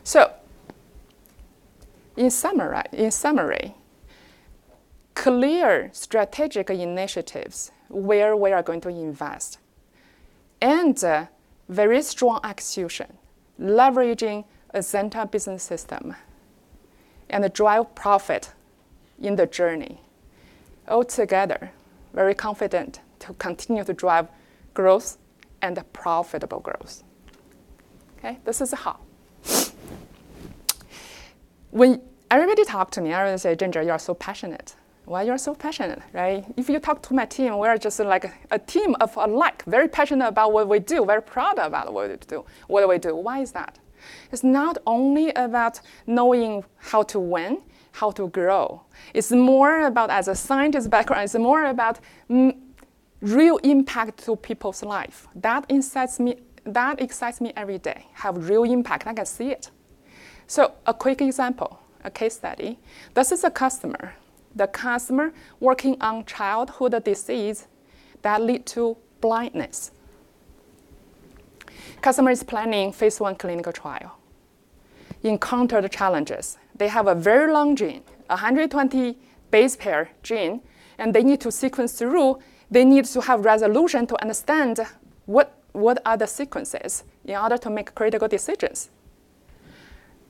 So in summary, clear strategic initiatives where we are going to invest and very strong execution, leveraging Azenta Business System and drive profit in the journey. Altogether, very confident to continue to drive growth and profitable growth. Okay? This is how. When everybody talks to me, everybody says, "Ginger, you are so passionate." Why you are so passionate? Right? If you talk to my team, we are just like a team of alike, very passionate about what we do, very proud about what we do. Why is that? It's not only about knowing how to win, how to grow. It's more about, as a scientist background, it's more about real impact to people's life. That excites me every day. Have real impact. I can see it. So a quick example, a case study. This is a customer, the customer working on childhood disease that led to blindness. Customer is planning phase one clinical trial. Encountered challenges. They have a very long gene, 120 base pair gene, and they need to sequence through. They need to have resolution to understand what are the sequences in order to make critical decisions.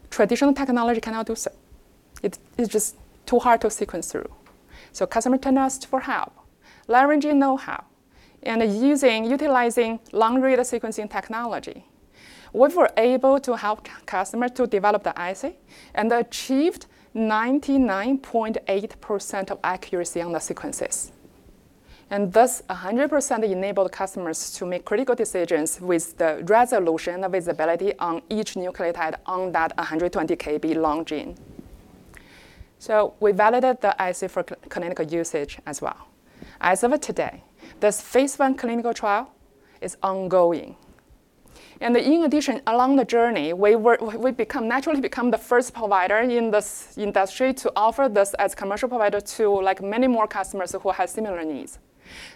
Traditional technology cannot do so. It's just too hard to sequence through, so customers turned to us for help, leveraging know-how and utilizing long-read Sequencing technology. We were able to help customers to develop the IC and achieved 99.8% accuracy on the sequences, and thus 100% enabled customers to make critical decisions with the resolution and visibility on each nucleotide on that 120 KB long gene, so we validated the IC for clinical usage as well. As of today, this phase one clinical trial is ongoing, and in addition, along the journey, we naturally became the first provider in this industry to offer this as a Commercial provider to many more customers who have similar needs.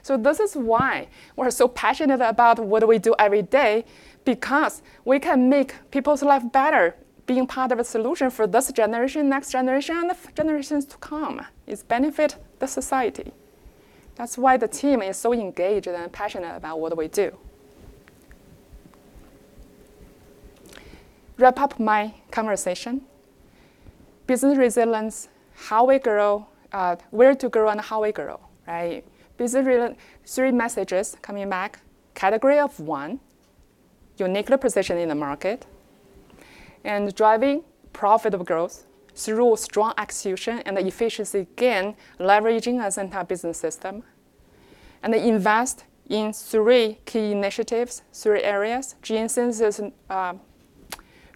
So this is why we're so passionate about what we do every day, because we can make people's life better being part of a solution for this generation, next generation, and the generations to come. It's benefit the society. That's why the team is so engaged and passionate about what we do. Wrap up my conversation. Business resilience, how we grow, where to grow, and how we grow. Right? Three messages coming back. Category of one, unique position in the market and driving profitable growth through strong execution and efficiency, again, leveraging Azenta Business System. And invest in three key initiatives, three areas. Gene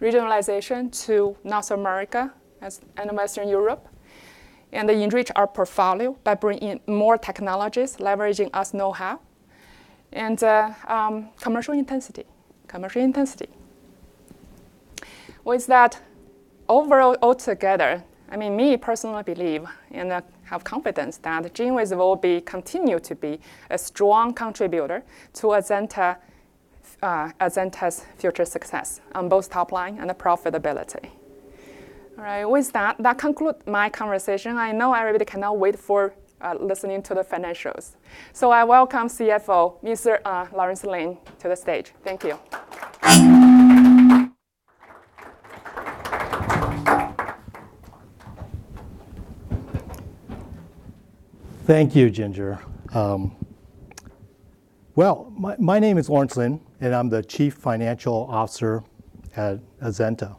Synthesis regionalization to North America and Western Europe. And enrich our portfolio by bringing in more technologies, leveraging our know-how. And Commercial intensity. Commercial intensity. With that, overall, altogether, I mean, me personally believe and have confidence that GENEWIZ will continue to be a strong contributor to Azenta's future success on both top line and profitability. All right? With that, that concludes my conversation. I know everybody cannot wait for listening to the financials. So I welcome CFO, Mr. Lawrence Lin, to the stage. Thank you. Thank you, Ginger. Well, my name is Lawrence Lin, and I'm the Chief Financial Officer at Azenta.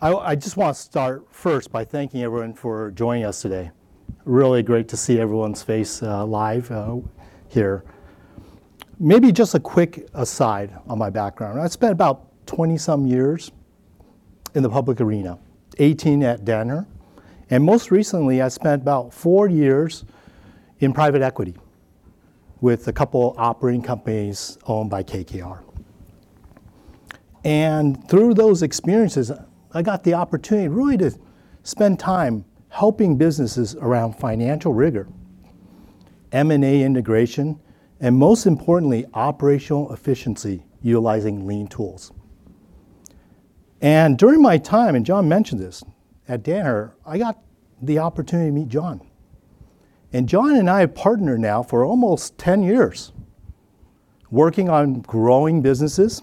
I just want to start first by thanking everyone for joining us today. Really great to see everyone's face live here. Maybe just a quick aside on my background. I spent about 20-some years in the public arena, 18 at Danaher. And most recently, I spent about four years in private equity with a couple of operating companies owned by KKR. And through those experiences, I got the opportunity really to spend time helping businesses around financial rigor, M&A integration, and most importantly, operational efficiency utilizing lean tools. And during my time, and John mentioned this, at Danaher, I got the opportunity to meet John. And John and I have partnered now for almost 10 years, working on growing businesses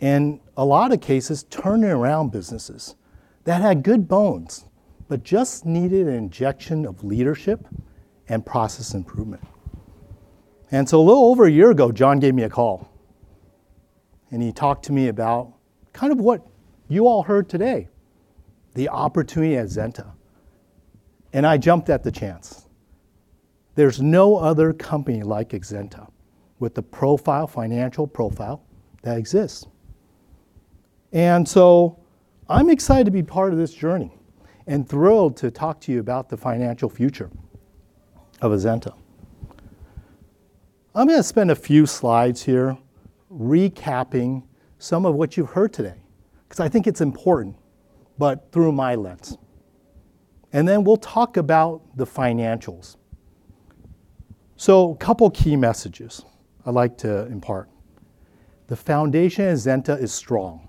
and, in a lot of cases, turning around businesses that had good bones but just needed an injection of leadership and process improvement. And so a little over a year ago, John gave me a call. And he talked to me about kind of what you all heard today, the opportunity at Azenta. And I jumped at the chance. There's no other company like Azenta with the financial profile that exists. And so I'm excited to be part of this journey and thrilled to talk to you about the financial future of Azenta. I'm going to spend a few slides here recapping some of what you've heard today, because I think it's important, but through my lens. And then we'll talk about the financials. So a couple of key messages I'd like to impart. The foundation at Azenta is strong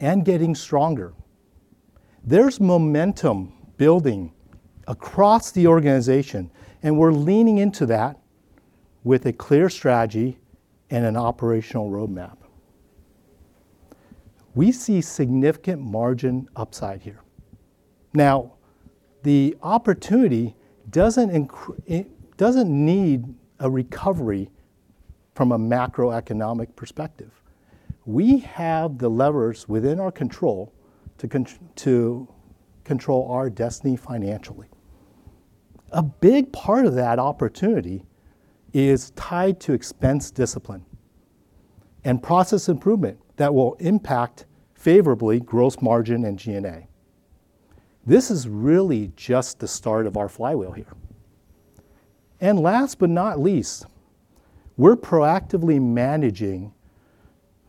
and getting stronger. There's momentum building across the organization, and we're leaning into that with a clear strategy and an operational roadmap. We see significant margin upside here. Now, the opportunity doesn't need a recovery from a macroeconomic perspective. We have the levers within our control to control our destiny financially. A big part of that opportunity is tied to expense discipline and process improvement that will impact favorably gross margin and G&A. This is really just the start of our flywheel here. And last but not least, we're proactively managing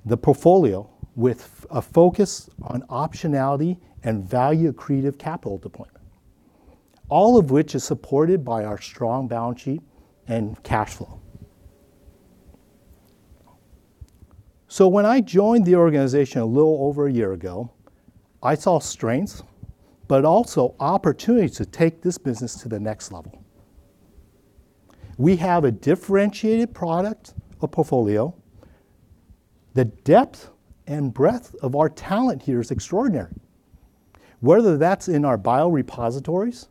the portfolio with a focus on optionality and value-accretive capital deployment, all of which is supported by our strong balance sheet and cash flow. So when I joined the organization a little over a year ago, I saw strengths, but also opportunities to take this business to the next level. We have a differentiated product or portfolio. The depth and breadth of our talent here is extraordinary. Whether that's in our bio repositories,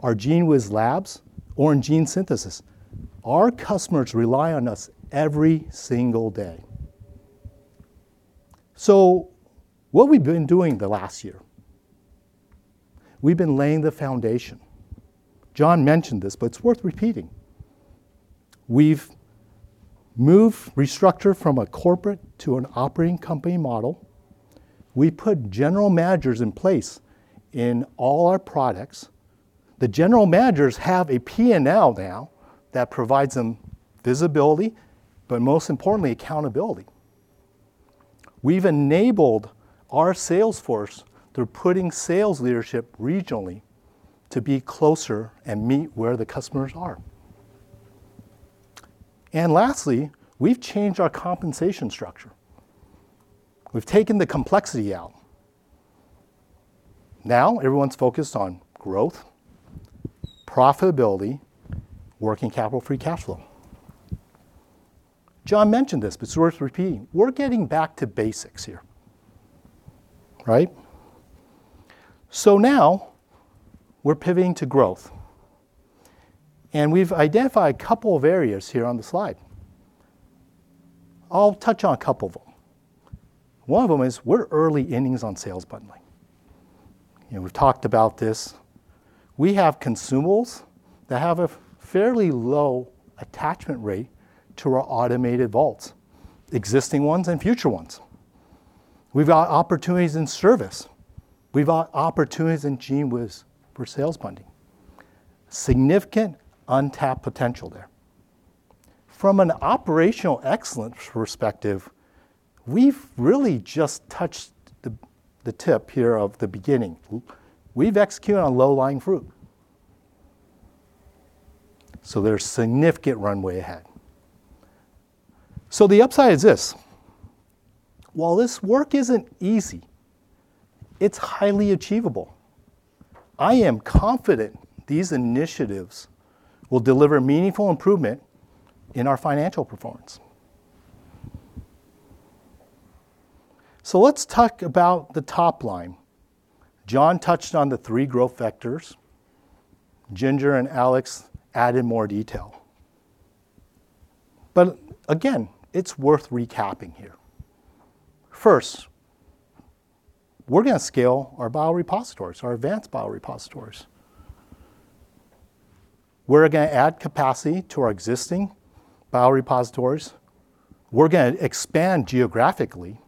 our GENEWIZ labs, or in Gene Synthesis, our customers rely on us every single day. So what we've been doing the last year, we've been laying the foundation. John mentioned this, but it's worth repeating. We've restructured from a corporate to an operating company model. We put general managers in place in all our products. The general managers have a P&L now that provides them visibility, but most importantly, accountability. We've enabled our sales force through putting sales leadership regionally to be closer and meet where the customers are. And lastly, we've changed our compensation structure. We've taken the complexity out. Now everyone's focused on growth, profitability, working capital-free cash flow. John mentioned this, but it's worth repeating. We're getting back to basics here. Right? So now we're pivoting to growth. And we've identified a couple of areas here on the slide. I'll touch on a couple of them. One of them is we're early innings on sales bundling. We've talked about this. We have consumables that have a fairly low attachment rate to our automated vaults, existing ones and future ones. We've got opportunities in service. We've got opportunities in GENEWIZ for sales bundling. Significant untapped potential there. From an operational excellence perspective, we've really just touched the tip here of the beginning. We've executed on low-hanging fruit, so there's significant runway ahead, so the upside is this. While this work isn't easy, it's highly achievable. I am confident these initiatives will deliver meaningful improvement in our financial performance, so let's talk about the top line. John touched on the three growth factors. Ginger and Alex added more detail, but again, it's worth recapping here. First, we're going to scale our Biorepositories, our Advanced Biorepositories. We're going to add capacity to our existing Biorepositories. We're going to expand geographically.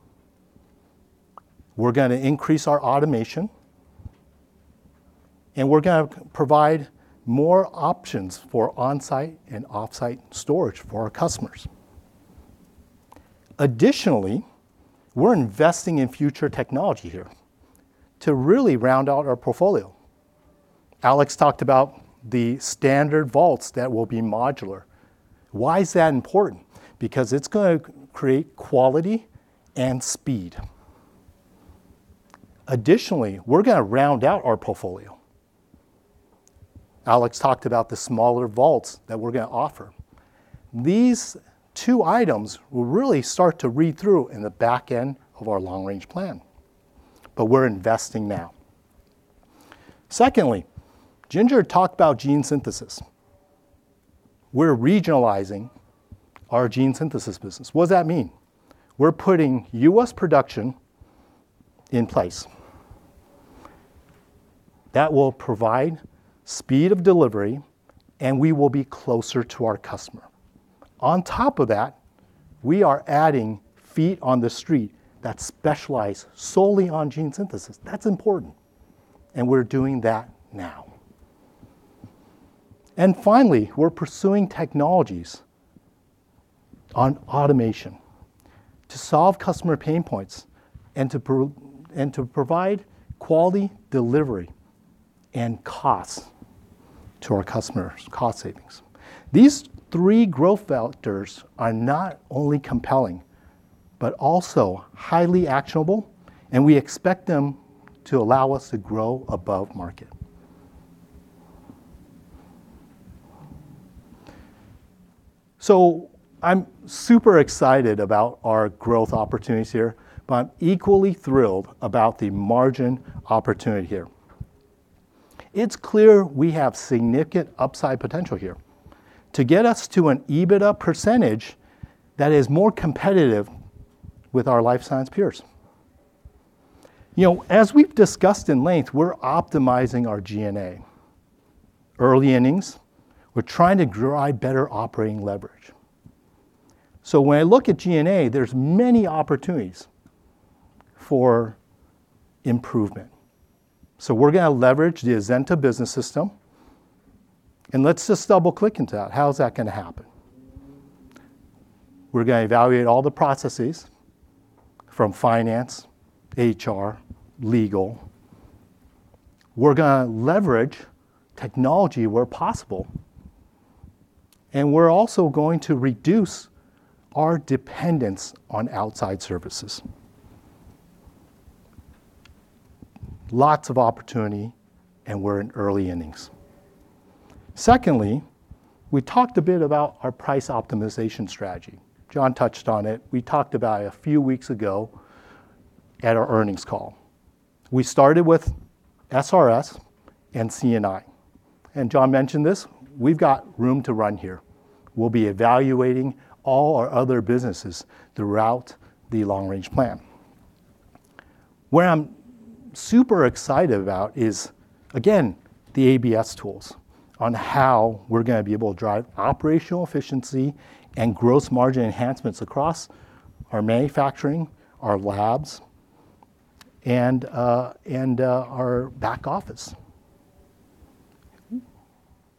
We're going to increase our automation. And we're going to provide more options for on-site and off-site storage for our customers. Additionally, we're investing in future technology here to really round out our portfolio. Alex talked about the standard vaults that will be modular. Why is that important? Because it's going to create quality and speed. Additionally, we're going to round out our portfolio. Alex talked about the smaller vaults that we're going to offer. These two items will really start to read through in the back end of our long-range plan, but we're investing now. Secondly, Ginger talked about Gene Synthesis. We're regionalizing our Gene Synthesis business. What does that mean? We're putting U.S. production in place. That will provide speed of delivery, and we will be closer to our customer. On top of that, we are adding feet on the street that specialize solely on Gene Synthesis. That's important, and we're doing that now, and finally, we're pursuing technologies on automation to solve customer pain points and to provide quality delivery and costs to our customers, cost savings. These three growth factors are not only compelling, but also highly actionable, and we expect them to allow us to grow above market. So I'm super excited about our growth opportunities here, but I'm equally thrilled about the margin opportunity here. It's clear we have significant upside potential here to get us to an EBITDA percentage that is more competitive with our life science peers. As we've discussed in length, we're optimizing our G&A. Early innings, we're trying to drive better operating leverage. So when I look at G&A, there's many opportunities for improvement. So we're going to leverage the Azenta Business System. And let's just double-click into that. How is that going to happen? We're going to evaluate all the processes from finance, HR, legal. We're going to leverage technology where possible. And we're also going to reduce our dependence on outside services. Lots of opportunity, and we're in early innings. Secondly, we talked a bit about our price optimization strategy. John touched on it. We talked about it a few weeks ago at our earnings call. We started with SRS and C&I, and John mentioned this. We've got room to run here. We'll be evaluating all our other businesses throughout the long-range plan. Where I'm super excited about is, again, the ABS tools on how we're going to be able to drive operational efficiency and gross margin enhancements across our manufacturing, our labs, and our back office.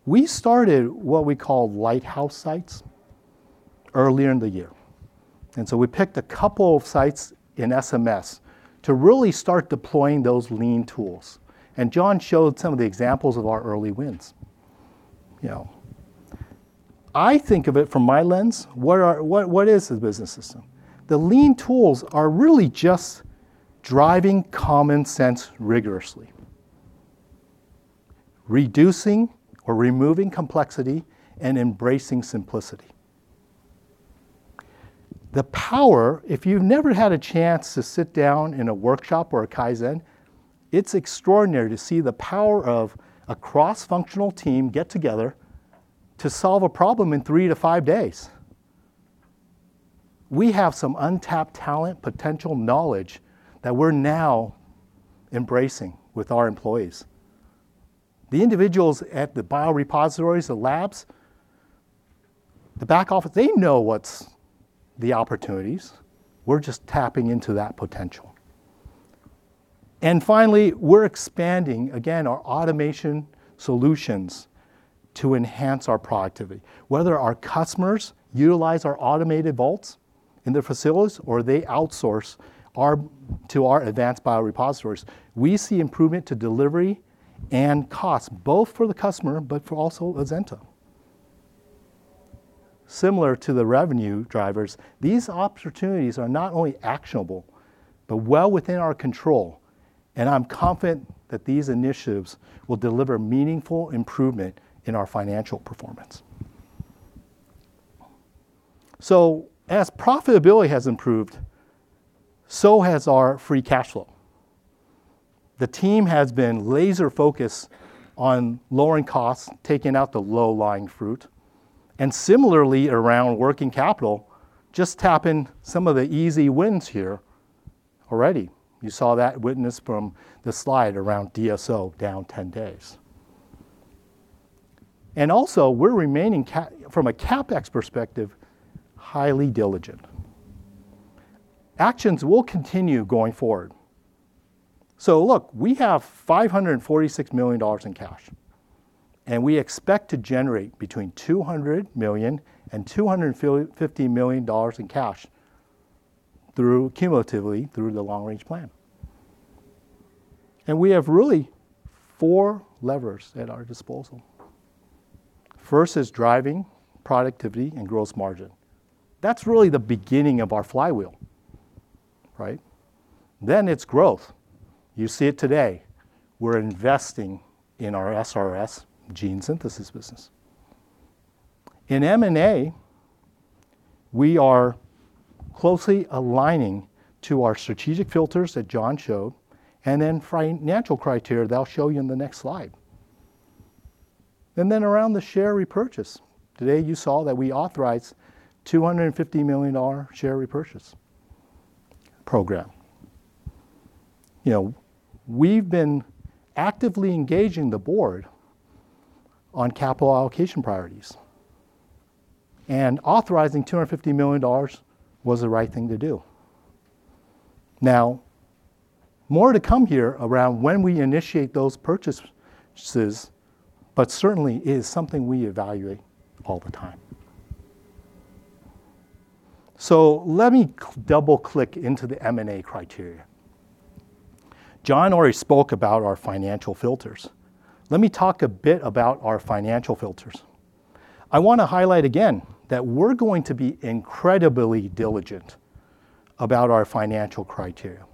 We started what we call lighthouse sites earlier in the year, and so we picked a couple of sites in SRS to really start deploying those lean tools, and John showed some of the examples of our early wins. I think of it from my lens. What is the business system? The lean tools are really just driving common sense rigorously, reducing or removing complexity and embracing simplicity. The power, if you've never had a chance to sit down in a workshop or a Kaizen, it's extraordinary to see the power of a cross-functional team get together to solve a problem in three to five days. We have some untapped talent, potential knowledge that we're now embracing with our employees. The individuals at the Biorepositories, the labs, the back office, they know what's the opportunities. We're just tapping into that potential. And finally, we're expanding, again, our automation solutions to enhance our productivity. Whether our customers utilize our automated vaults in their facilities or they outsource to our Advanced Biorepositories, we see improvement to delivery and cost, both for the customer, but for also Azenta. Similar to the revenue drivers, these opportunities are not only actionable, but well within our control, and I'm confident that these initiatives will deliver meaningful improvement in our financial performance, so as profitability has improved, so has our free cash flow. The team has been laser-focused on lowering costs, taking out the low-hanging fruit, and similarly, around working capital, just tapping some of the easy wins here already. You saw that with this from the slide around DSO down 10 days, and also, we're remaining, from a CapEx perspective, highly diligent. Actions will continue going forward, so look, we have $546 million in cash, and we expect to generate between $200 million and $250 million in cash cumulatively through the long-range plan, and we have really four levers at our disposal. First is driving productivity and gross margin. That's really the beginning of our flywheel, right? Then it's growth. You see it today. We're investing in our SRS Gene Synthesis business. In M&A, we are closely aligning to our strategic filters that John showed and then financial criteria that I'll show you in the next slide, and then around the share repurchase. Today, you saw that we authorized $250 million share repurchase program. We've been actively engaging the board on capital allocation priorities, and authorizing $250 million was the right thing to do. Now, more to come here around when we initiate those purchases, but certainly it is something we evaluate all the time, so let me double-click into the M&A criteria. John already spoke about our financial filters. Let me talk a bit about our financial filters. I want to highlight again that we're going to be incredibly diligent about our financial criteria.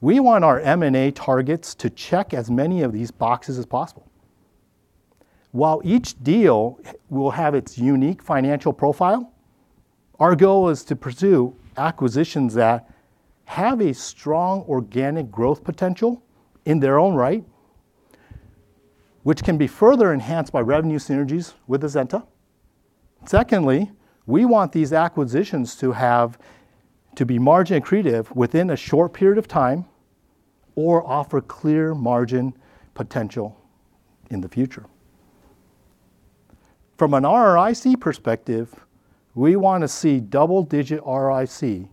We want our M&A targets to check as many of these boxes as possible. While each deal will have its unique financial profile, our goal is to pursue acquisitions that have a strong organic growth potential in their own right, which can be further enhanced by revenue synergies with Azenta. Secondly, we want these acquisitions to be margin accretive within a short period of time or offer clear margin potential in the future. From an RRIC perspective, we want to see double-digit RRIC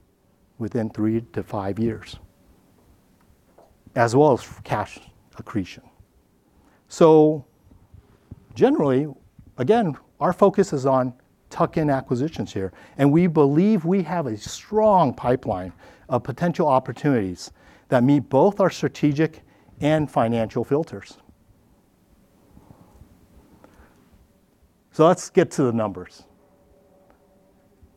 within three to five years, as well as cash accretion. So generally, again, our focus is on tuck-in acquisitions here. And we believe we have a strong pipeline of potential opportunities that meet both our strategic and financial filters. So let's get to the numbers.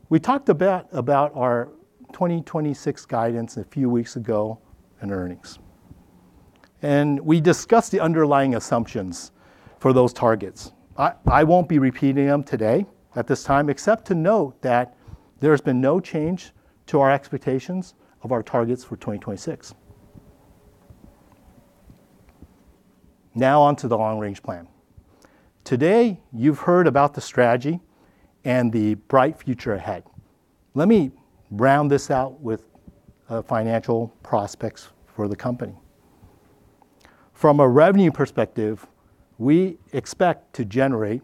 We talked a bit about our 2026 guidance a few weeks ago and earnings. And we discussed the underlying assumptions for those targets. I won't be repeating them today at this time, except to note that there has been no change to our expectations of our targets for 2026. Now on to the long-range plan. Today, you've heard about the strategy and the bright future ahead. Let me round this out with financial prospects for the company. From a revenue perspective, we expect to generate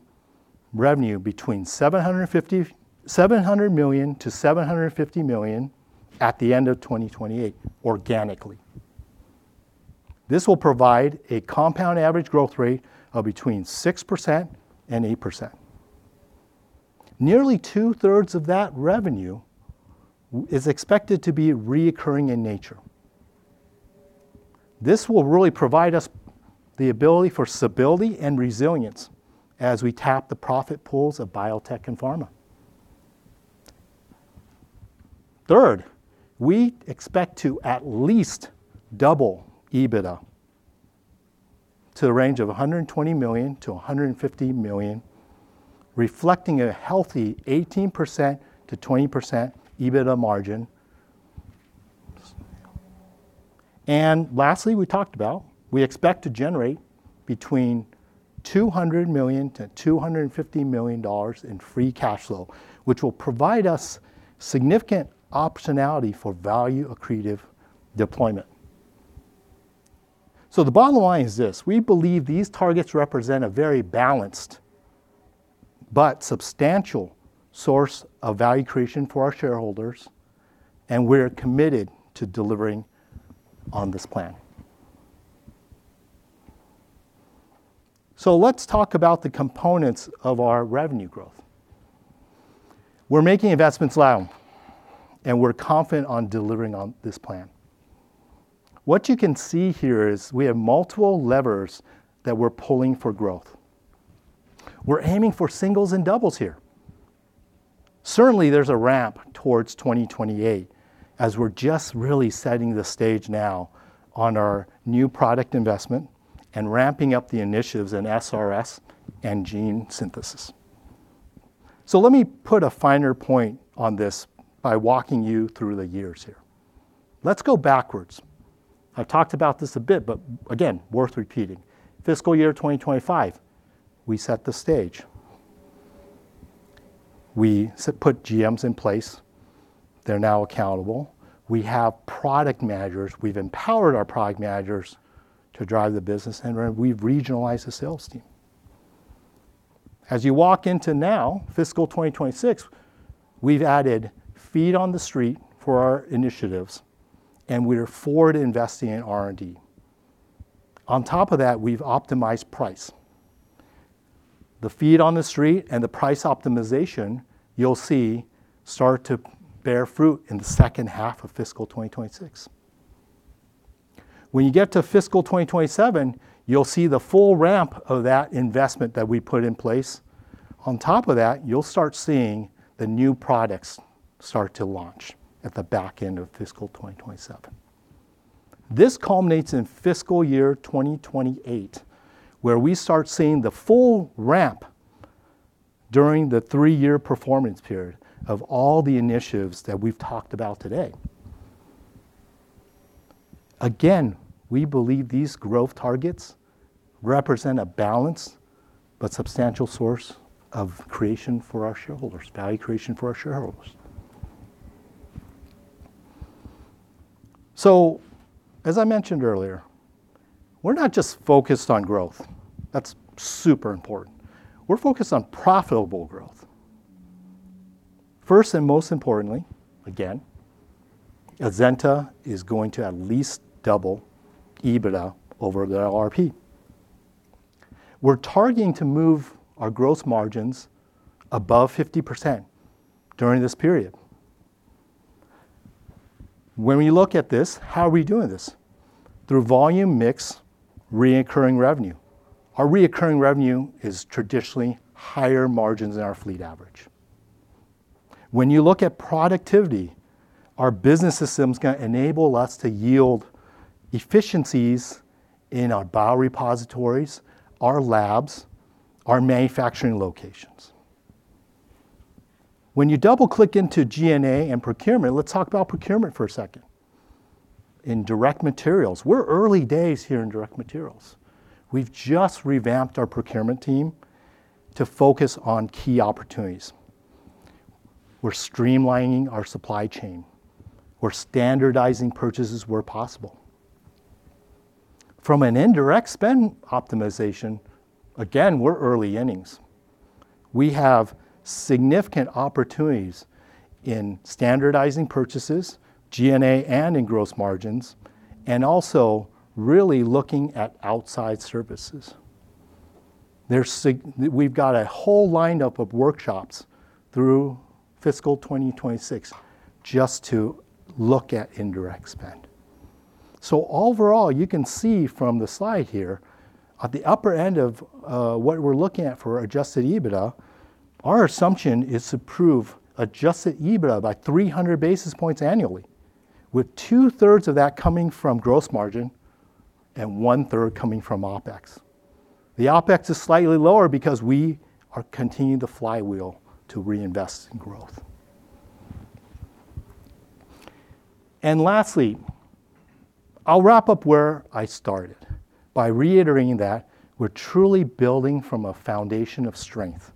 revenue between $700 million-$750 million at the end of 2028 organically. This will provide a compound annual growth rate of between 6% and 8%. Nearly two-thirds of that revenue is expected to be recurring in nature. This will really provide us the ability for stability and resilience as we tap the profit pools of biotech and pharma. Third, we expect to at least double EBITDA to the range of $120 million-$150 million, reflecting a healthy 18%-20% EBITDA margin. And lastly, we talked about we expect to generate between $200 million-$250 million in free cash flow, which will provide us significant optionality for value-accretive deployment. So the bottom line is this. We believe these targets represent a very balanced but substantial source of value creation for our shareholders. And we're committed to delivering on this plan. So let's talk about the components of our revenue growth. We're making investments loud, and we're confident on delivering on this plan. What you can see here is we have multiple levers that we're pulling for growth. We're aiming for singles and doubles here. Certainly, there's a ramp towards 2028 as we're just really setting the stage now on our new product investment and ramping up the initiatives in SRS and Gene Synthesis. So let me put a finer point on this by walking you through the years here. Let's go backwards. I've talked about this a bit, but again, worth repeating. Fiscal year 2025, we set the stage. We put GMs in place. They're now accountable. We have product managers. We've empowered our product managers to drive the business, and we've regionalized the sales team. As you walk into now, fiscal 2026, we've added feet on the street for our initiatives, and we are forward investing in R&D. On top of that, we've optimized price. The feet on the street and the price optimization you'll see start to bear fruit in the second half of fiscal 2026. When you get to fiscal 2027, you'll see the full ramp of that investment that we put in place. On top of that, you'll start seeing the new products start to launch at the back end of fiscal 2027. This culminates in fiscal year 2028, where we start seeing the full ramp during the three-year performance period of all the initiatives that we've talked about today. Again, we believe these growth targets represent a balanced but substantial source of creation for our shareholders, value creation for our shareholders. So as I mentioned earlier, we're not just focused on growth. That's super important. We're focused on profitable growth. First and most importantly, again, Azenta is going to at least double EBITDA over the LRP. We're targeting to move our gross margins above 50% during this period. When we look at this, how are we doing this? Through volume, mix, recurring revenue. Our recurring revenue is traditionally higher margins than our fleet average. When you look at productivity, our business system is going to enable us to yield efficiencies in our bio repositories, our labs, our manufacturing locations. When you double-click into G&A and procurement, let's talk about procurement for a second. In direct materials, we're early days here in direct materials. We've just revamped our procurement team to focus on key opportunities. We're streamlining our supply chain. We're standardizing purchases where possible. From an indirect spend optimization, again, we're early innings. We have significant opportunities in standardizing purchases, G&A, and in gross margins, and also really looking at outside services. We've got a whole lineup of workshops through fiscal 2026 just to look at indirect spend. So overall, you can see from the slide here, at the upper end of what we're looking at for Adjusted EBITDA, our assumption is to prove Adjusted EBITDA by 300 basis points annually, with two-thirds of that coming from gross margin and one-third coming from OpEx. The OpEx is slightly lower because we are continuing the flywheel to reinvest in growth. Lastly, I'll wrap up where I started by reiterating that we're truly building from a foundation of strength.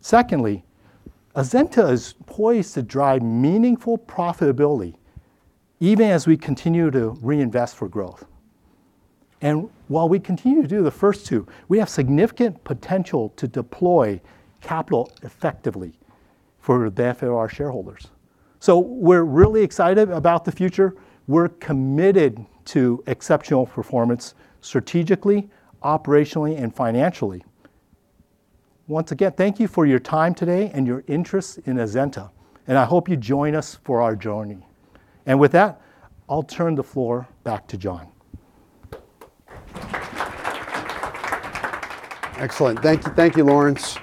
Secondly, Azenta is poised to drive meaningful profitability even as we continue to reinvest for growth. While we continue to do the first two, we have significant potential to deploy capital effectively for the benefit of our shareholders. We're really excited about the future. We're committed to exceptional performance strategically, operationally, and financially. Once again, thank you for your time today and your interest in Azenta. I hope you join us for our journey. With that, I'll turn the floor back to John. Excellent. Thank you, Lawrence.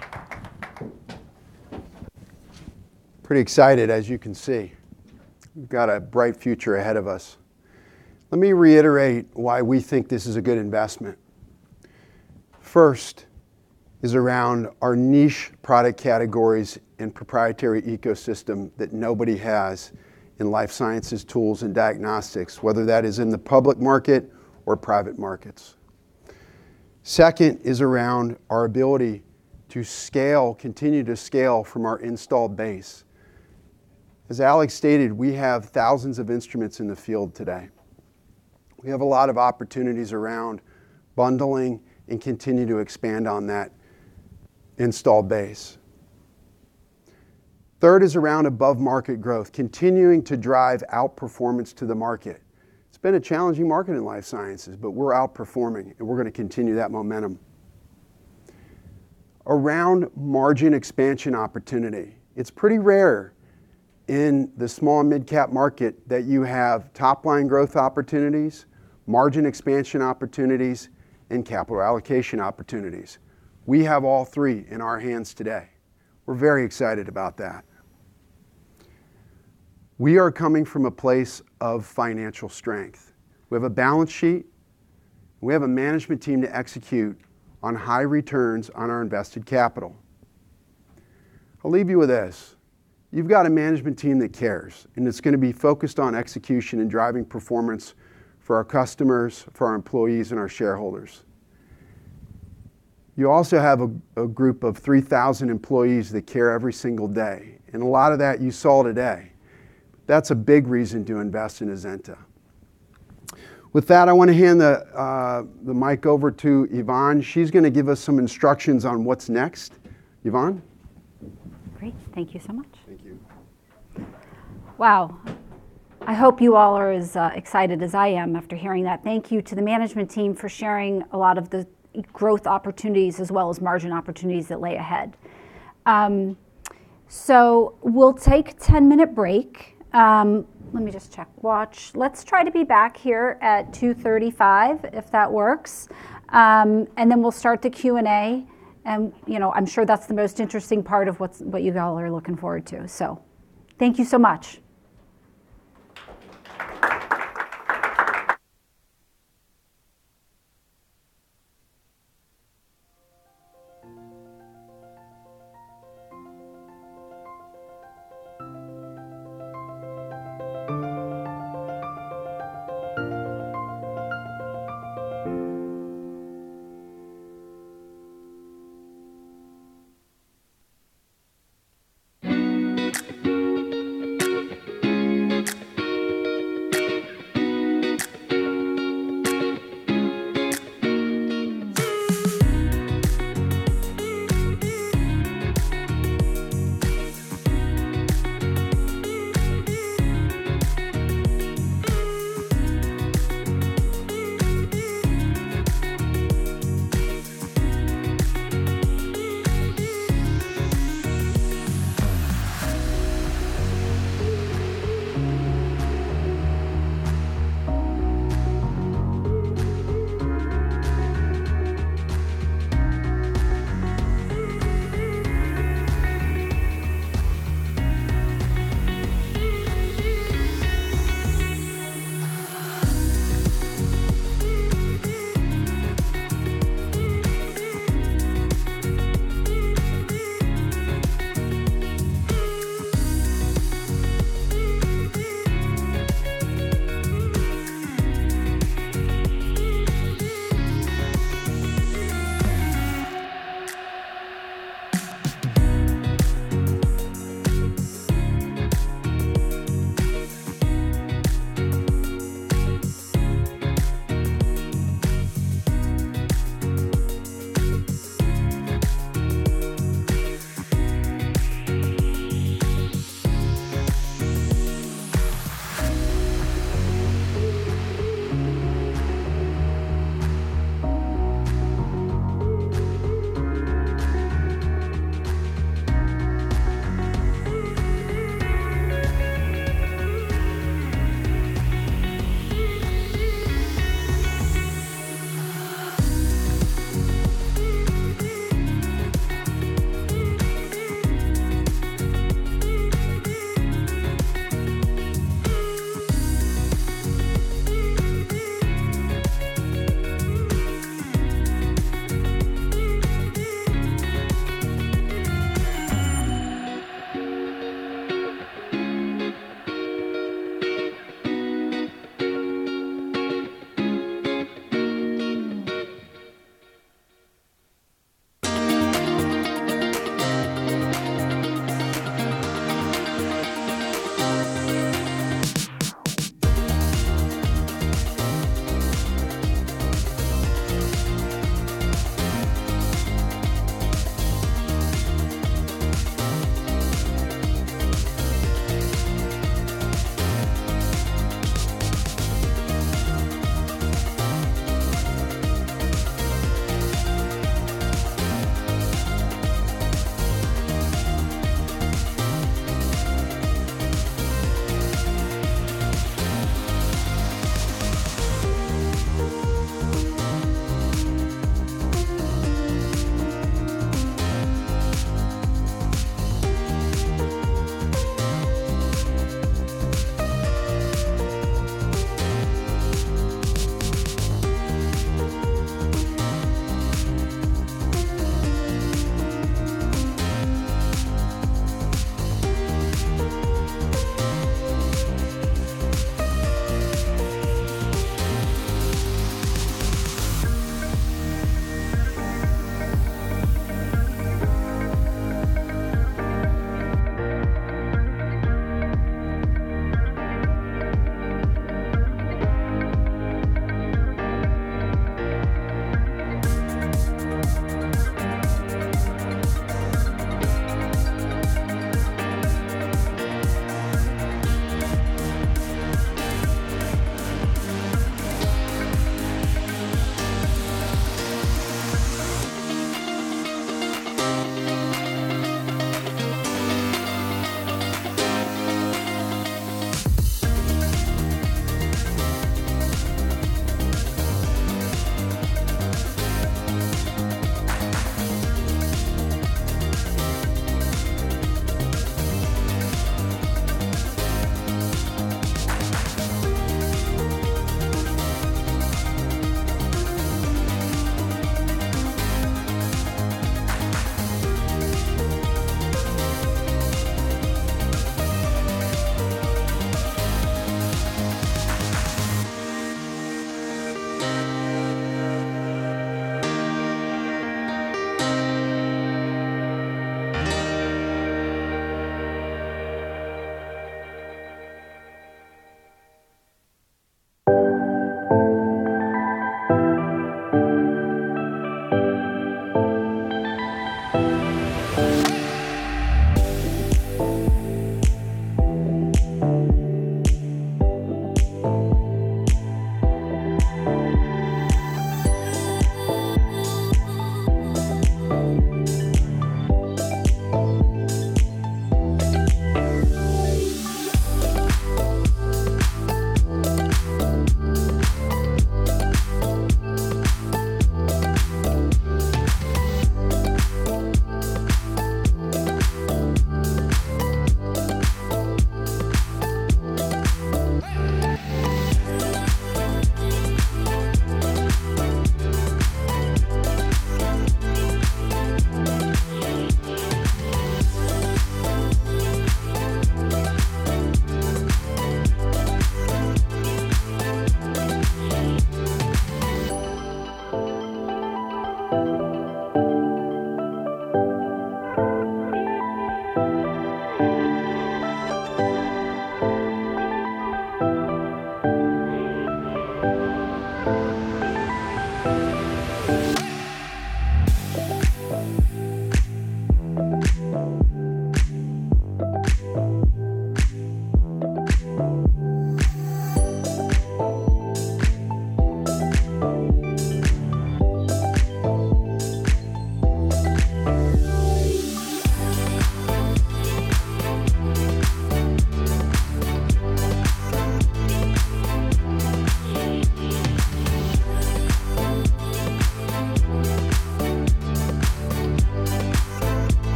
Pretty excited, as you can see. We've got a bright future ahead of us. Let me reiterate why we think this is a good investment. First is around our niche product categories and proprietary ecosystem that nobody has in life sciences, tools, and diagnostics, whether that is in the public market or private markets. Second is around our ability to scale, continue to scale from our installed base. As Alex stated, we have thousands of instruments in the field today. We have a lot of opportunities around bundling and continue to expand on that installed base. Third is around above-market growth, continuing to drive outperformance to the market. It's been a challenging market in life sciences, but we're outperforming, and we're going to continue that momentum. Around margin expansion opportunity, it's pretty rare in the small and mid-cap market that you have top-line growth opportunities, margin expansion opportunities, and capital allocation opportunities. We have all three in our hands today. We're very excited about that. We are coming from a place of financial strength. We have a balance sheet. We have a management team to execute on high returns on our invested capital. I'll leave you with this. You've got a management team that cares, and it's going to be focused on execution and driving performance for our customers, for our employees, and our shareholders. You also have a group of 3,000 employees that care every single day, and a lot of that you saw today. That's a big reason to invest in Azenta. With that, I want to hand the mic over to Yvonne. She's going to give us some instructions on what's next. Yvonne? Great. Thank you so much. Thank you. Wow. I hope you all are as excited as I am after hearing that. Thank you to the management team for sharing a lot of the growth opportunities as well as margin opportunities that lay ahead. So we'll take a 10-minute break. Let me just check watch. Let's try to be back here at 2:35 P.M. if that works. And then we'll start the Q&A. And I'm sure that's the most interesting part of what you all are looking forward to. So thank you so much.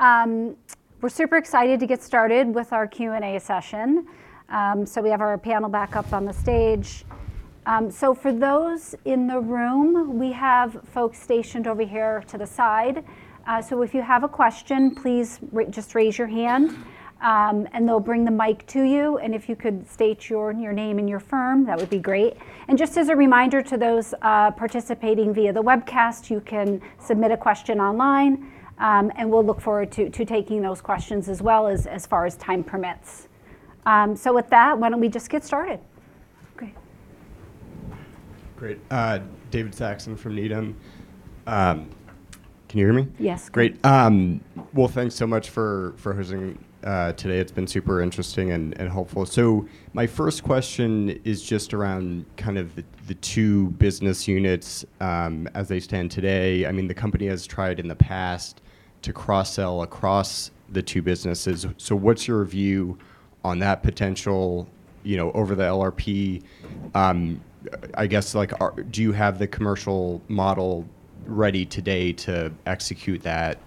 We're super excited to get started with our Q&A session. So we have our panel back up on the stage. So for those in the room, we have folks stationed over here to the side. So if you have a question, please just raise your hand, and they'll bring the mic to you. And if you could state your name and your firm, that would be great. And just as a reminder to those participating via the webcast, you can submit a question online. And we'll look forward to taking those questions as well as far as time permits. So with that, why don't we just get started? Great. Great. David Saxon from Needham. Can you hear me? Yes. Great. Well, thanks so much for hosting today. It's been super interesting and helpful. So my first question is just around kind of the two business units as they stand today. I mean, the company has tried in the past to cross-sell across the two businesses. So what's your view on that potential over the LRP? I guess, do you have the Commercial model ready today to execute that,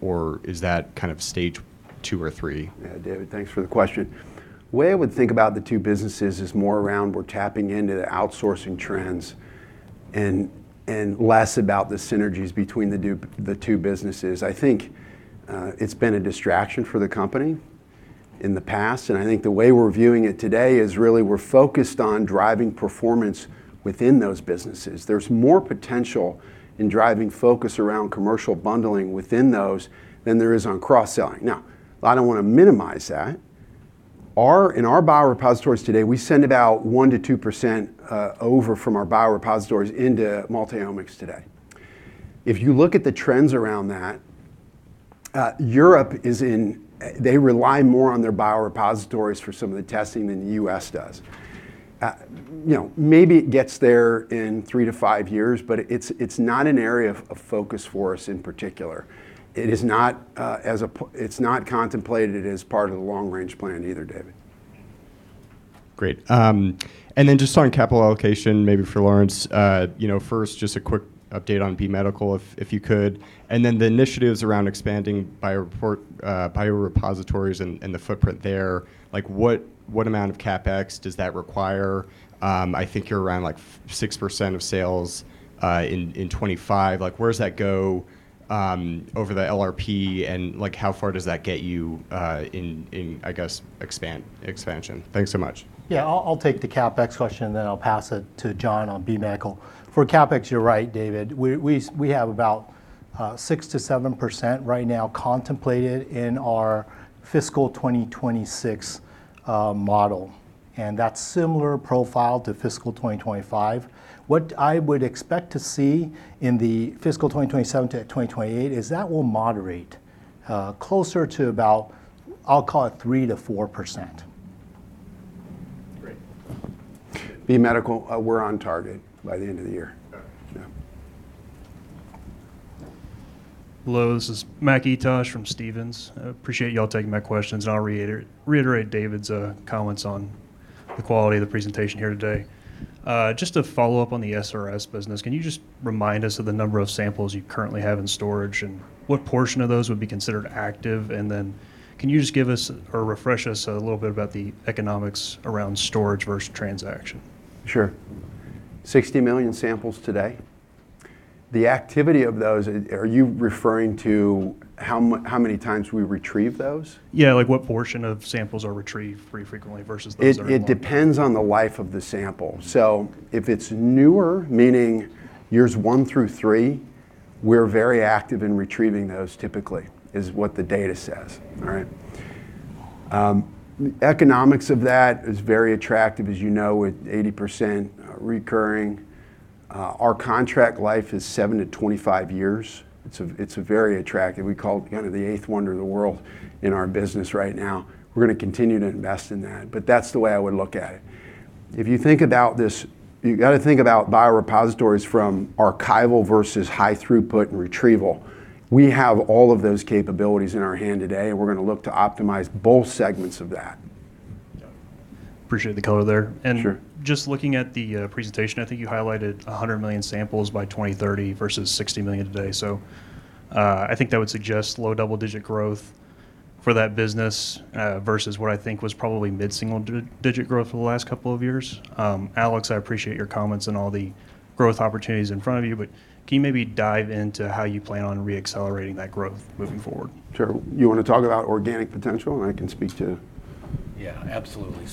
or is that kind of stage two or three? Yeah, David, thanks for the question. The way I would think about the two businesses is more around we're tapping into the outsourcing trends and less about the synergies between the two businesses. I think it's been a distraction for the company in the past, and I think the way we're viewing it today is really we're focused on driving performance within those businesses. There's more potential in driving focus around Commercial bundling within those than there is on cross-selling. Now, I don't want to minimize that. In our biorepositories today, we send about 1%-2% over from our biorepositories into Multiomics today. If you look at the trends around that, Europe is in. They rely more on their biorepositories for some of the testing than the U.S. does. Maybe it gets there in three-to-five years, but it's not an area of focus for us in particular. It's not contemplated as part of the long-range plan either, David. Great. And then just on capital allocation, maybe for Lawrence, first, just a quick update on B Medical, if you could. And then the initiatives around expanding biorepositories and the footprint there, what amount of CapEx does that require? I think you're around 6% of sales in 2025. Where does that go over the LRP, and how far does that get you in, I guess, expansion? Thanks so much. Yeah, I'll take the CapEx question, and then I'll pass it to John on B-Medical. For CapEx, you're right, David. We have about 6%-7% right now contemplated in our fiscal 2026 model. And that's similar profile to fiscal 2025. What I would expect to see in the fiscal 2027 to 2028 is that we'll moderate closer to about, I'll call it 3%-4%. Great. Medical, we're on target by the end of the year. Hello, this is Matt Etoch from Stephens. Appreciate y'all taking my questions. And I'll reiterate David's comments on the quality of the presentation here today. Just to follow up on the SRS business, can you just remind us of the number of samples you currently have in storage and what portion of those would be considered active? And then can you just give us or refresh us a little bit about the economics around storage versus transaction? Sure. 60 million samples today. The activity of those, are you referring to how many times we retrieve those? Yeah, like what portion of samples are retrieved pretty frequently versus those that are not? It depends on the life of the sample. So if it's newer, meaning years one through three, we're very active in retrieving those typically is what the data says. All right. The economics of that is very attractive, as you know, with 80% recurring. Our contract life is 7 years-25 years. It's very attractive. We call it kind of the eighth wonder of the world in our business right now. We're going to continue to invest in that. But that's the way I would look at it. If you think about this, you've got to think about biorepositories from archival versus high throughput and retrieval. We have all of those capabilities in our hand today, and we're going to look to optimize both segments of that. Appreciate the color there. And just looking at the presentation, I think you highlighted 100 million samples by 2030 versus 60 million today. So I think that would suggest low double-digit growth for that business versus what I think was probably mid-single-digit growth for the last couple of years. Alex, I appreciate your comments and all the growth opportunities in front of you. But can you maybe dive into how you plan on re-accelerating that growth moving forward? Sure. You want to talk about organic potential? And I can speak to. Yeah, absolutely.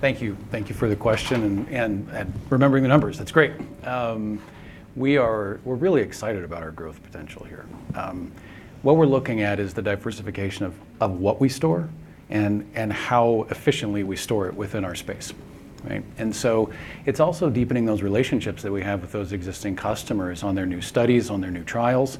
So thank you for the question and remembering the numbers. That's great. We're really excited about our growth potential here. What we're looking at is the diversification of what we store and how efficiently we store it within our space. And so it's also deepening those relationships that we have with those existing customers on their new studies, on their new trials.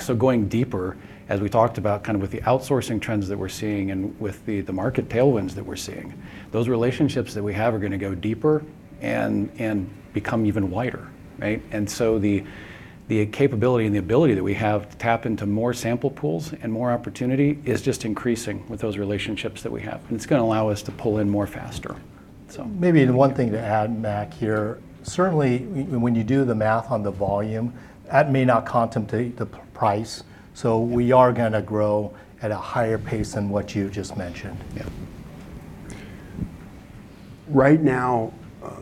So going deeper, as we talked about kind of with the outsourcing trends that we're seeing and with the market tailwinds that we're seeing, those relationships that we have are going to go deeper and become even wider. And so the capability and the ability that we have to tap into more sample pools and more opportunity is just increasing with those relationships that we have. And it's going to allow us to pull in more faster. Maybe one thing to add, Matt, here. Certainly, when you do the math on the volume, that may not contemplate the price. So we are going to grow at a higher pace than what you just mentioned. Right now,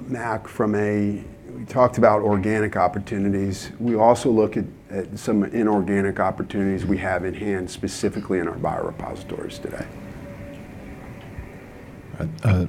Matt, from a we talked about organic opportunities. We also look at some inorganic opportunities we have in hand specifically in our biorepositories today.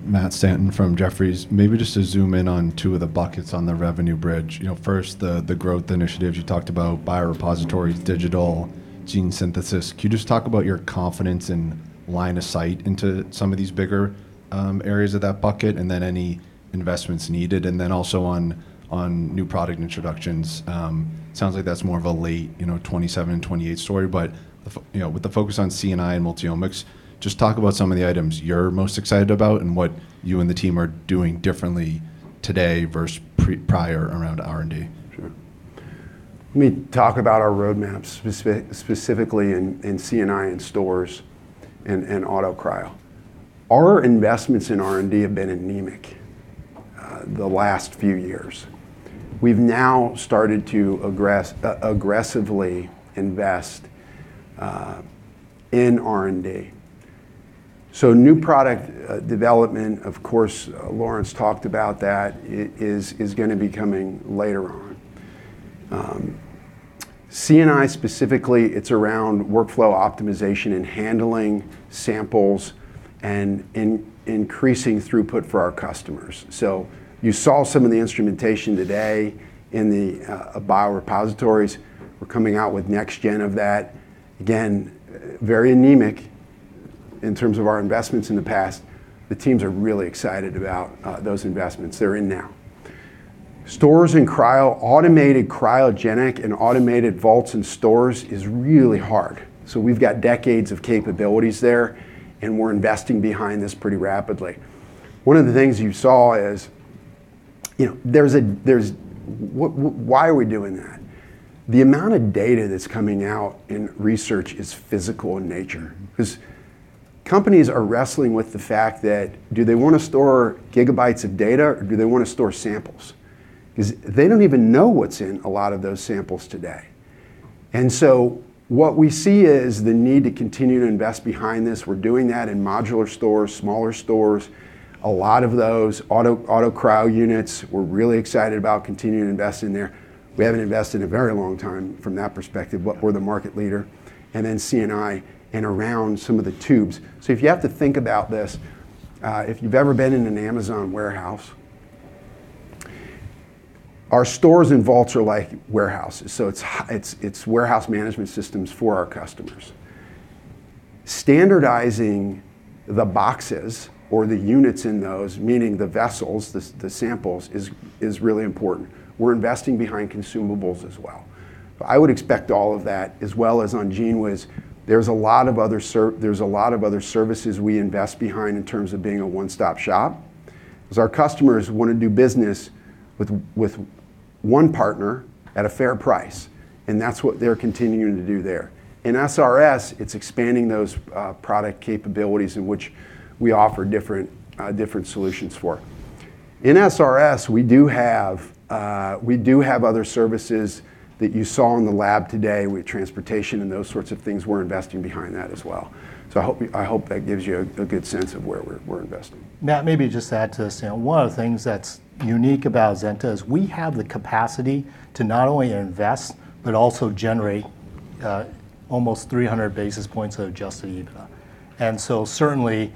Matt Stanton from Jefferies, maybe just to zoom in on two of the buckets on the revenue bridge. First, the growth initiatives you talked about, biorepositories, digital, Gene Synthesis. Can you just talk about your confidence and line of sight into some of these bigger areas of that bucket and then any investments needed? And then also on new product introductions. Sounds like that's more of a late 2027, 2028 story. But with the focus on C&I and Multiomics, just talk about some of the items you're most excited about and what you and the team are doing differently today versus prior around R&D. Sure. Let me talk about our roadmap specifically in C&I and stores and autocryo. Our investments in R&D have been anemic the last few years. We've now started to aggressively invest in R&D. So new product development, of course, Lawrence talked about that, is going to be coming later on. C&I specifically, it's around workflow optimization and handling samples and increasing throughput for our customers. So you saw some of the instrumentation today in the biorepositories. We're coming out with next-gen of that. Again, very anemic in terms of our investments in the past. The teams are really excited about those investments. They're in now. Stores and cryo, automated cryogenic and automated vaults and stores is really hard. So we've got decades of capabilities there, and we're investing behind this pretty rapidly. One of the things you saw is why are we doing that? The amount of data that's coming out in research is physical in nature because companies are wrestling with the fact that, do they want to store gigabytes of data, or do they want to store samples? Because they don't even know what's in a lot of those samples today, and so what we see is the need to continue to invest behind this. We're doing that in modular stores, smaller stores, a lot of those, Auto Cryo units. We're really excited about continuing to invest in there. We haven't invested in a very long time from that perspective. We're the market leader, and then C&I and around some of the tubes, so if you have to think about this, if you've ever been in an Amazon warehouse, our stores and vaults are like warehouses, so it's warehouse management systems for our customers. Standardizing the boxes or the units in those, meaning the vessels, the samples, is really important. We're investing behind consumables as well. I would expect all of that, as well as on GENEWIZ. There's a lot of other services we invest behind in terms of being a one-stop shop because our customers want to do business with one partner at a fair price, and that's what they're continuing to do there. In SRS, it's expanding those product capabilities in which we offer different solutions for. In SRS, we do have other services that you saw in the lab today with transportation and those sorts of things. We're investing behind that as well, so I hope that gives you a good sense of where we're investing. Matt, maybe just add to this. One of the things that's unique about Azenta is we have the capacity to not only invest, but also generate almost 300 basis points of Adjusted EBITDA, and so certainly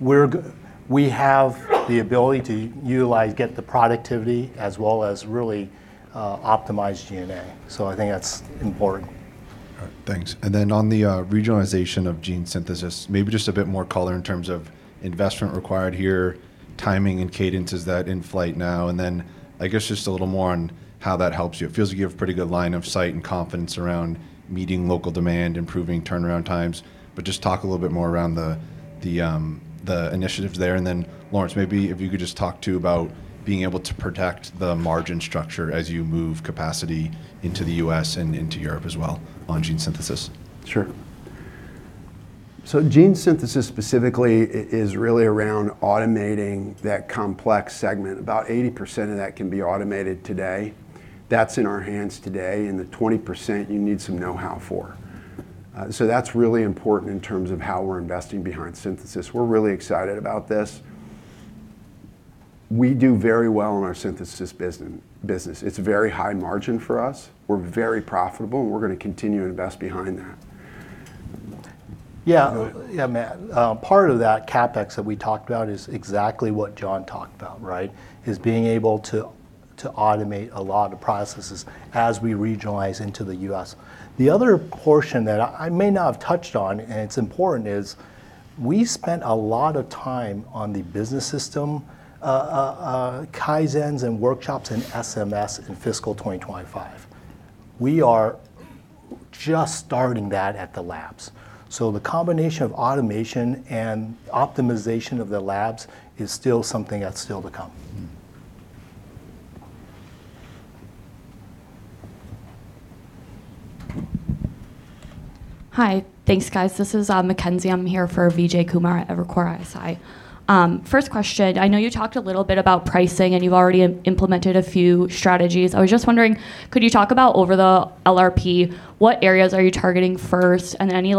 we have the ability to utilize, get the productivity, as well as really optimize G&A, so I think that's important. All right, thanks. And then on the regionalization of Gene Synthesis, maybe just a bit more color in terms of investment required here, timing and cadences that are in flight now. And then I guess just a little more on how that helps you. It feels like you have a pretty good line of sight and confidence around meeting local demand, improving turnaround times. But just talk a little bit more around the initiatives there. And then Lawrence, maybe if you could just talk too about being able to protect the margin structure as you move capacity into the U.S. and into Europe as well on Gene Synthesis. Sure. So Gene Synthesis specifically is really around automating that complex segment. About 80% of that can be automated today. That's in our hands today. And the 20% you need some know-how for. So that's really important in terms of how we're investing behind synthesis. We're really excited about this. We do very well in our synthesis business. It's very high margin for us. We're very profitable, and we're going to continue to invest behind that. Yeah, yeah, Matt. Part of that CapEx that we talked about is exactly what John talked about, right? Is being able to automate a lot of processes as we regionalize into the U.S. The other portion that I may not have touched on, and it's important, is we spent a lot of time on the business system kaizens and workshops in SRS in fiscal 2025. We are just starting that at the labs. So the combination of automation and optimization of the labs is still something that's still to come. Hi, thanks, guys. This is Mackenzie. I'm here for Vijay Kumar at Evercore ISI. First question, I know you talked a little bit about pricing, and you've already implemented a few strategies. I was just wondering, could you talk about over the LRP, what areas are you targeting first? And any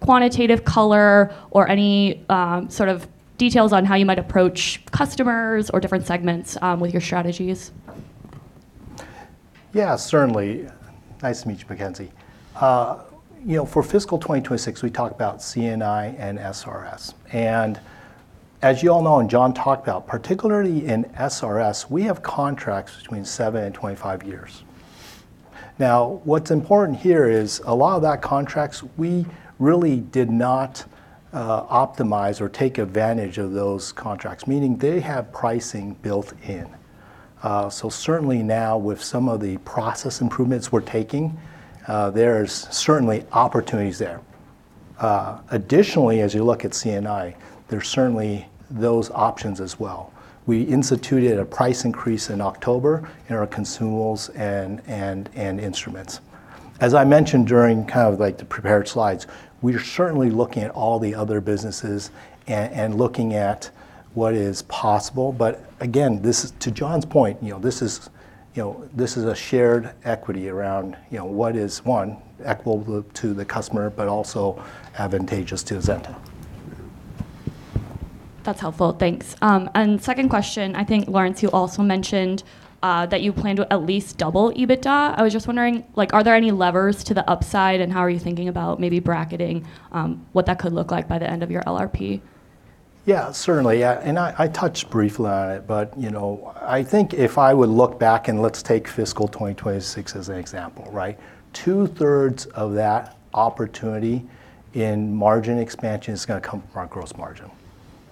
quantitative color or any sort of details on how you might approach customers or different segments with your strategies? Yeah, certainly. Nice to meet you, Mackenzie. For fiscal 2026, we talked about C&I and SRS. And as you all know, and John talked about, particularly in SRS, we have contracts between seven and 25 years. Now, what's important here is a lot of that contracts, we really did not optimize or take advantage of those contracts, meaning they have pricing built in. So certainly now, with some of the process improvements we're taking, there's certainly opportunities there. Additionally, as you look at C&I, there's certainly those options as well. We instituted a price increase in October in our consumables and instruments. As I mentioned during kind of the prepared slides, we are certainly looking at all the other businesses and looking at what is possible. But again, to John's point, this is a shared equity around what is, one, equitable to the customer, but also advantageous to Azenta. That's helpful. Thanks. And second question, I think, Lawrence, you also mentioned that you plan to at least double EBITDA. I was just wondering, are there any levers to the upside? And how are you thinking about maybe bracketing what that could look like by the end of your LRP? Yeah, certainly. And I touched briefly on it. But I think if I would look back, and let's take fiscal 2026 as an example, right? Two-thirds of that opportunity in margin expansion is going to come from our gross margin.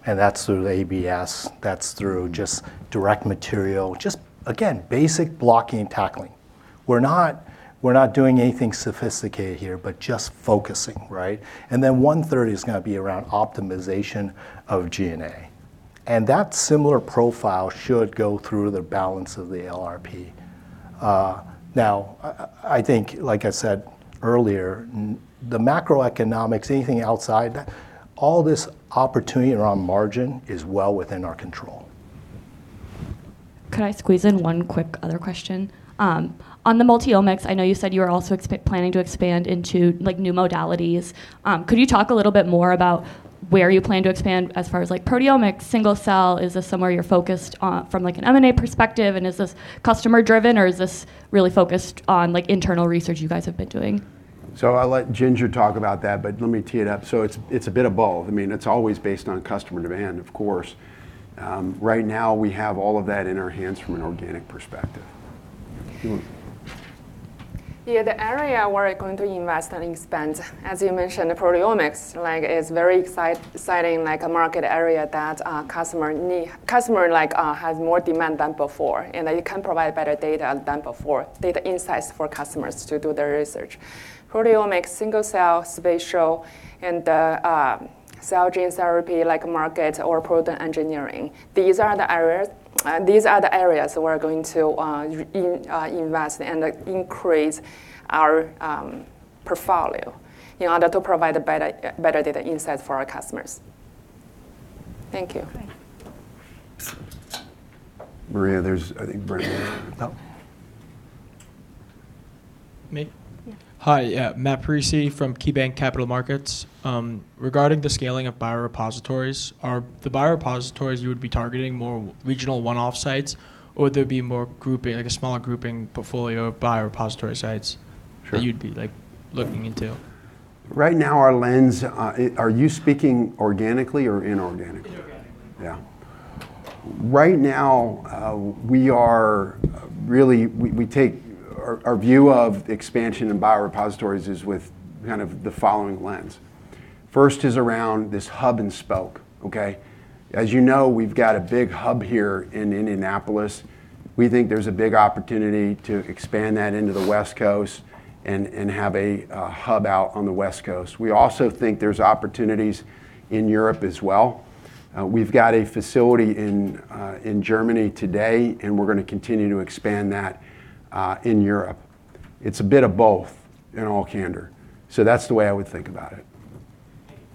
And that's through ABS. That's through just direct material, just, again, basic blocking and tackling. We're not doing anything sophisticated here, but just focusing, right? And then one-third is going to be around optimization of G&A. And that similar profile should go through the balance of the LRP. Now, I think, like I said earlier, the macroeconomics, anything outside, all this opportunity around margin is well within our control. Could I squeeze in one quick other question? On the Multiomics, I know you said you were also planning to expand into new modalities. Could you talk a little bit more about where you plan to expand as far as proteomics, single-cell? Is this somewhere you're focused from an M&A perspective? And is this customer-driven, or is this really focused on internal research you guys have been doing? So I'll let Ginger talk about that, but let me tee it up. So it's a bit of both. I mean, it's always based on customer demand, of course. Right now, we have all of that in our hands from an organic perspective. Yeah, the area where we're going to invest and expend, as you mentioned, proteomics is very exciting, a market area that customer has more demand than before, and you can provide better data than before, data insights for customers to do their research. Proteomics, single-cell, spatial, and cell gene therapy market or protein engineering. These are the areas we're going to invest and increase our portfolio in order to provide better data insights for our customers. Thank you. [Maria], there's, I think, Brendan. Hi, Matt Parisi from KeyBanc Capital Markets. Regarding the scaling of biorepositories, are the biorepositories you would be targeting more regional one-off sites, or would there be more grouping, like a smaller grouping portfolio of biorepository sites that you'd be looking into? Right now, our lens, are you speaking organically or inorganically? Inorganically. Yeah. Right now, we take our view of expansion in biorepositories with kind of the following lens. First is around this hub and spoke, okay? As you know, we've got a big hub here in Indianapolis. We think there's a big opportunity to expand that into the West Coast and have a hub out on the West Coast. We also think there's opportunities in Europe as well. We've got a facility in Germany today, and we're going to continue to expand that in Europe. It's a bit of both in all candor. So that's the way I would think about it.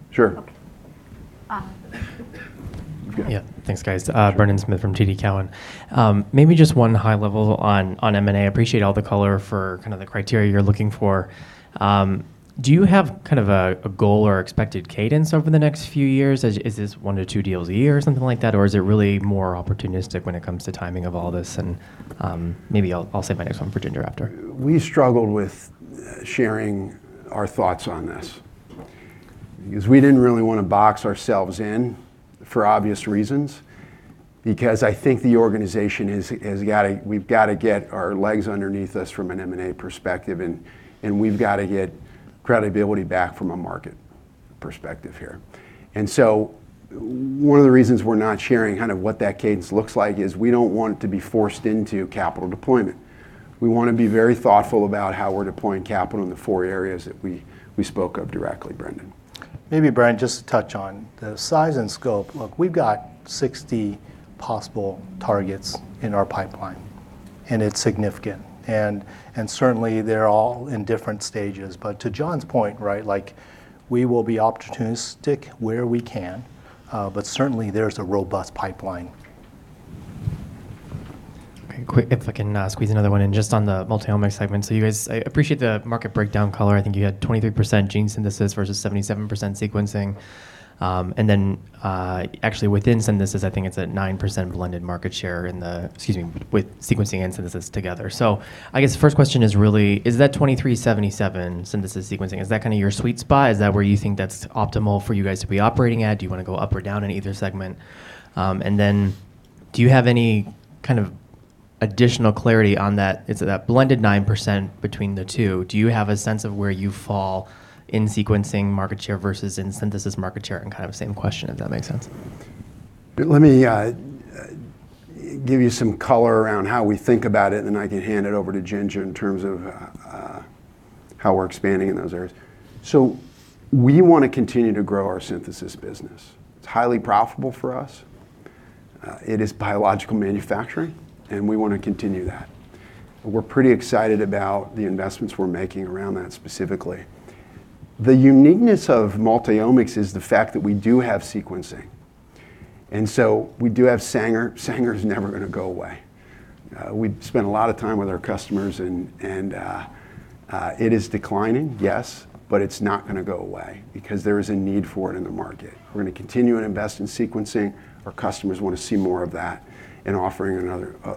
Sure. Yeah, thanks, guys. Brendan Smith from TD Cowen. Maybe just one high level on M&A. I appreciate all the color for kind of the criteria you're looking for. Do you have kind of a goal or expected cadence over the next few years? Is this one to two deals a year or something like that? Or is it really more opportunistic when it comes to timing of all this? And maybe I'll save my next one for Ginger after. We struggled with sharing our thoughts on this because we didn't really want to box ourselves in for obvious reasons. Because I think the organization has got to get our legs underneath us from an M&A perspective, and we've got to get credibility back from a market perspective here, and so one of the reasons we're not sharing kind of what that cadence looks like is we don't want to be forced into capital deployment. We want to be very thoughtful about how we're deploying capital in the four areas that we spoke of directly, Brendan. Maybe Brian, just to touch on the size and scope. Look, we've got 60 possible targets in our pipeline, and it's significant, and certainly, they're all in different stages, but to John's point, right? We will be opportunistic where we can, but certainly, there's a robust pipeline. Okay, quick, if I can squeeze another one in just on the Multiomics segment. So you guys, I appreciate the market breakdown color. I think you had 23% Gene Synthesis versus 77% Sequencing. And then actually within synthesis, I think it's at 9% blended market share in the, excuse me, with Sequencing and synthesis together. So I guess the first question is really, is that 23-77 synthesis Sequencing, is that kind of your sweet spot? Is that where you think that's optimal for you guys to be operating at? Do you want to go up or down in either segment? And then do you have any kind of additional clarity on that? Is it that blended 9% between the two? Do you have a sense of where you fall in Sequencing market share versus in synthesis market share? And kind of same question, if that makes sense. Let me give you some color around how we think about it, and then I can hand it over to Ginger in terms of how we're expanding in those areas. So we want to continue to grow our synthesis business. It's highly profitable for us. It is biological manufacturing, and we want to continue that. We're pretty excited about the investments we're making around that specifically. The uniqueness of Multiomics is the fact that we do have Sequencing. And so we do have Sanger. Sanger is never going to go away. We've spent a lot of time with our customers, and it is declining, yes, but it's not going to go away because there is a need for it in the market. We're going to continue to invest in Sequencing. Our customers want to see more of that and offering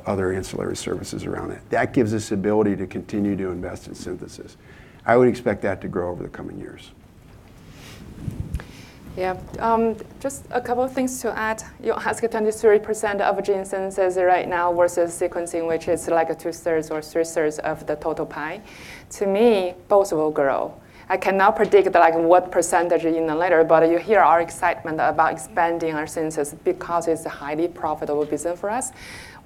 other ancillary services around that. That gives us the ability to continue to invest in synthesis. I would expect that to grow over the coming years. Yeah, just a couple of things to add. You asked 23% of Gene Synthesis right now versus Sequencing, which is like two-thirds or three-thirds of the total pie. To me, both will grow. I cannot predict what percentage in the latter, but you hear our excitement about expanding our synthesis because it's a highly profitable business for us.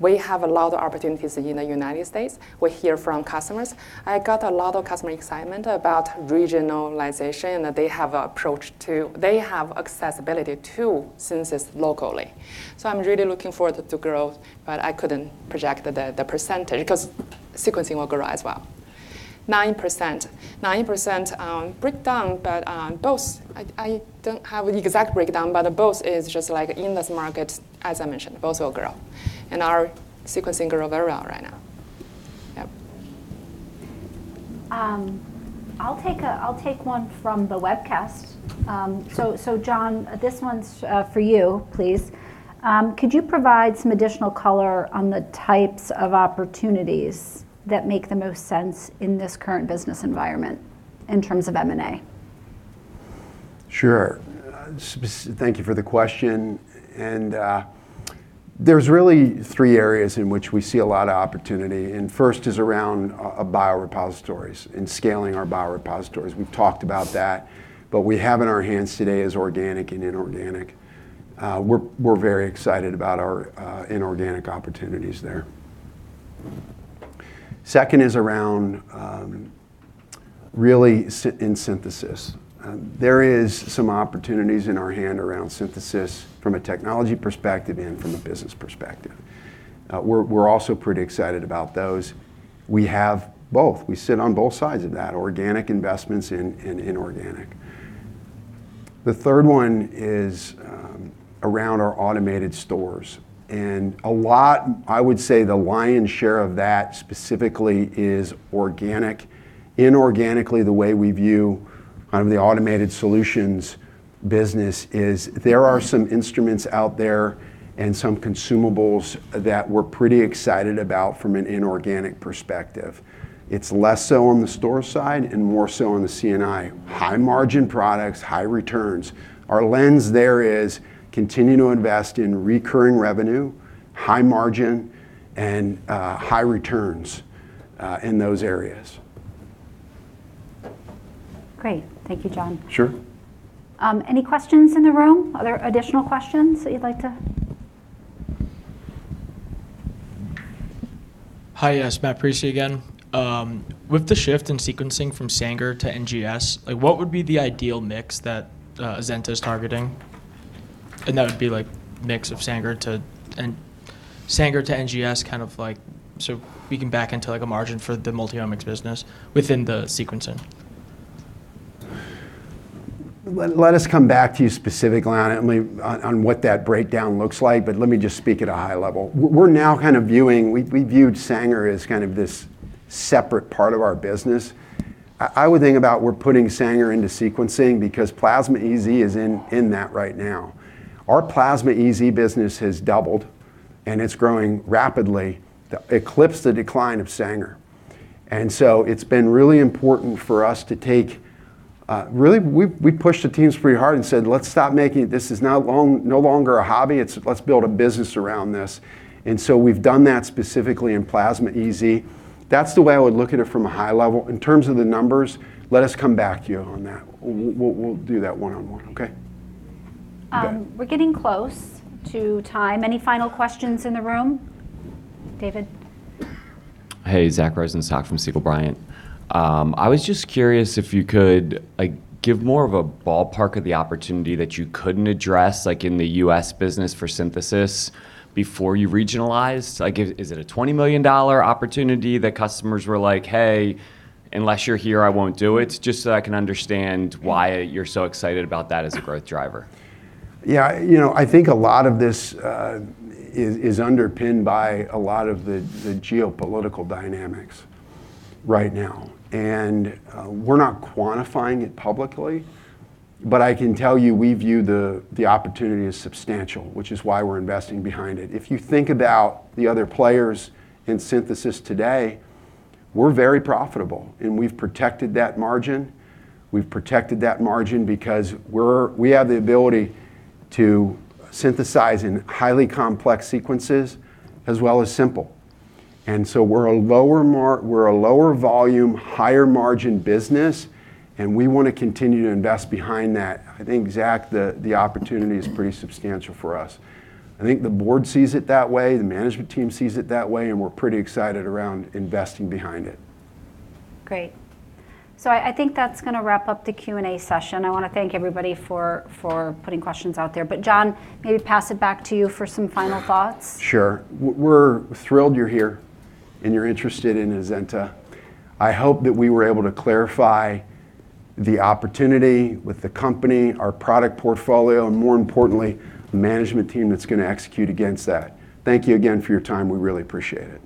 We have a lot of opportunities in the United States. We hear from customers. I got a lot of customer excitement about regionalization and that they have accessibility to synthesis locally. So I'm really looking forward to growth, but I couldn't project the percentage because Sequencing will grow as well. 9%. 9% breakdown, but both. I don't have the exact breakdown, but both is just like in this market, as I mentioned, both will grow, and our Sequencing grow very well right now. Yeah. I'll take one from the webcast. So John, this one's for you, please. Could you provide some additional color on the types of opportunities that make the most sense in this current business environment in terms of M&A? Sure. Thank you for the question. And there's really three areas in which we see a lot of opportunity. And first is around biorepositories and scaling our biorepositories. We've talked about that, but we have in our hands today is organic and inorganic. We're very excited about our inorganic opportunities there. Second is around really in synthesis. There is some opportunities in our hand around synthesis from a technology perspective and from a business perspective. We're also pretty excited about those. We have both. We sit on both sides of that, organic investments and inorganic. The third one is around our automated stores. And a lot, I would say the lion's share of that specifically is organic. Inorganically, the way we view kind of the automated solutions business is there are some instruments out there and some consumables that we're pretty excited about from an inorganic perspective. It's less so on the store side and more so on the C&I. High margin products, high returns. Our lens there is continue to invest in recurring revenue, high margin, and high returns in those areas. Great. Thank you, John. Sure. Any questions in the room? Other additional questions that you'd like to? Hi, yes, Matt Parisi again. With the shift in Sequencing from Sanger to NGS, what would be the ideal mix that Azenta is targeting? And that would be like mix of Sanger to NGS kind of like so we can back into a margin for the Multiomics business within the Sequencing. Let us come back to you specifically on it and on what that breakdown looks like, but let me just speak at a high level. We're now kind of viewing we viewed Sanger as kind of this separate part of our business. I would think about we're putting Sanger into Sequencing because Plasmid-EZ is in that right now. Our Plasmid-EZ business has doubled, and it's growing rapidly. It clips the decline of Sanger, and so it's been really important for us to take really, we pushed the teams pretty hard and said, "Let's stop making it. This is no longer a hobby. Let's build a business around this," and so we've done that specifically in Plasmid-EZ. That's the way I would look at it from a high level. In terms of the numbers, let us come back to you on that. We'll do that one-on-one, okay? We're getting close to time. Any final questions in the room? David? Hey, Zach Rosenstock from Segall Bryant & Hamill. I was just curious if you could give more of a ballpark of the opportunity that you couldn't address in the U.S. business for synthesis before you regionalized. Is it a $20 million opportunity that customers were like, "Hey, unless you're here, I won't do it," just so I can understand why you're so excited about that as a growth driver? Yeah, you know I think a lot of this is underpinned by a lot of the geopolitical dynamics right now. And we're not quantifying it publicly, but I can tell you we view the opportunity as substantial, which is why we're investing behind it. If you think about the other players in synthesis today, we're very profitable, and we've protected that margin. We've protected that margin because we have the ability to synthesize in highly complex sequences as well as simple. And so we're a lower volume, higher margin business, and we want to continue to invest behind it. I think, Zach, the opportunity is pretty substantial for us. I think the board sees it that way, the management team sees it that way, and we're pretty excited around investing behind it. Great. So I think that's going to wrap up the Q&A session. I want to thank everybody for putting questions out there. But John, maybe pass it back to you for some final thoughts. Sure. We're thrilled you're here and you're interested in Azenta. I hope that we were able to clarify the opportunity with the company, our product portfolio, and more importantly, the management team that's going to execute against that. Thank you again for your time. We really appreciate it.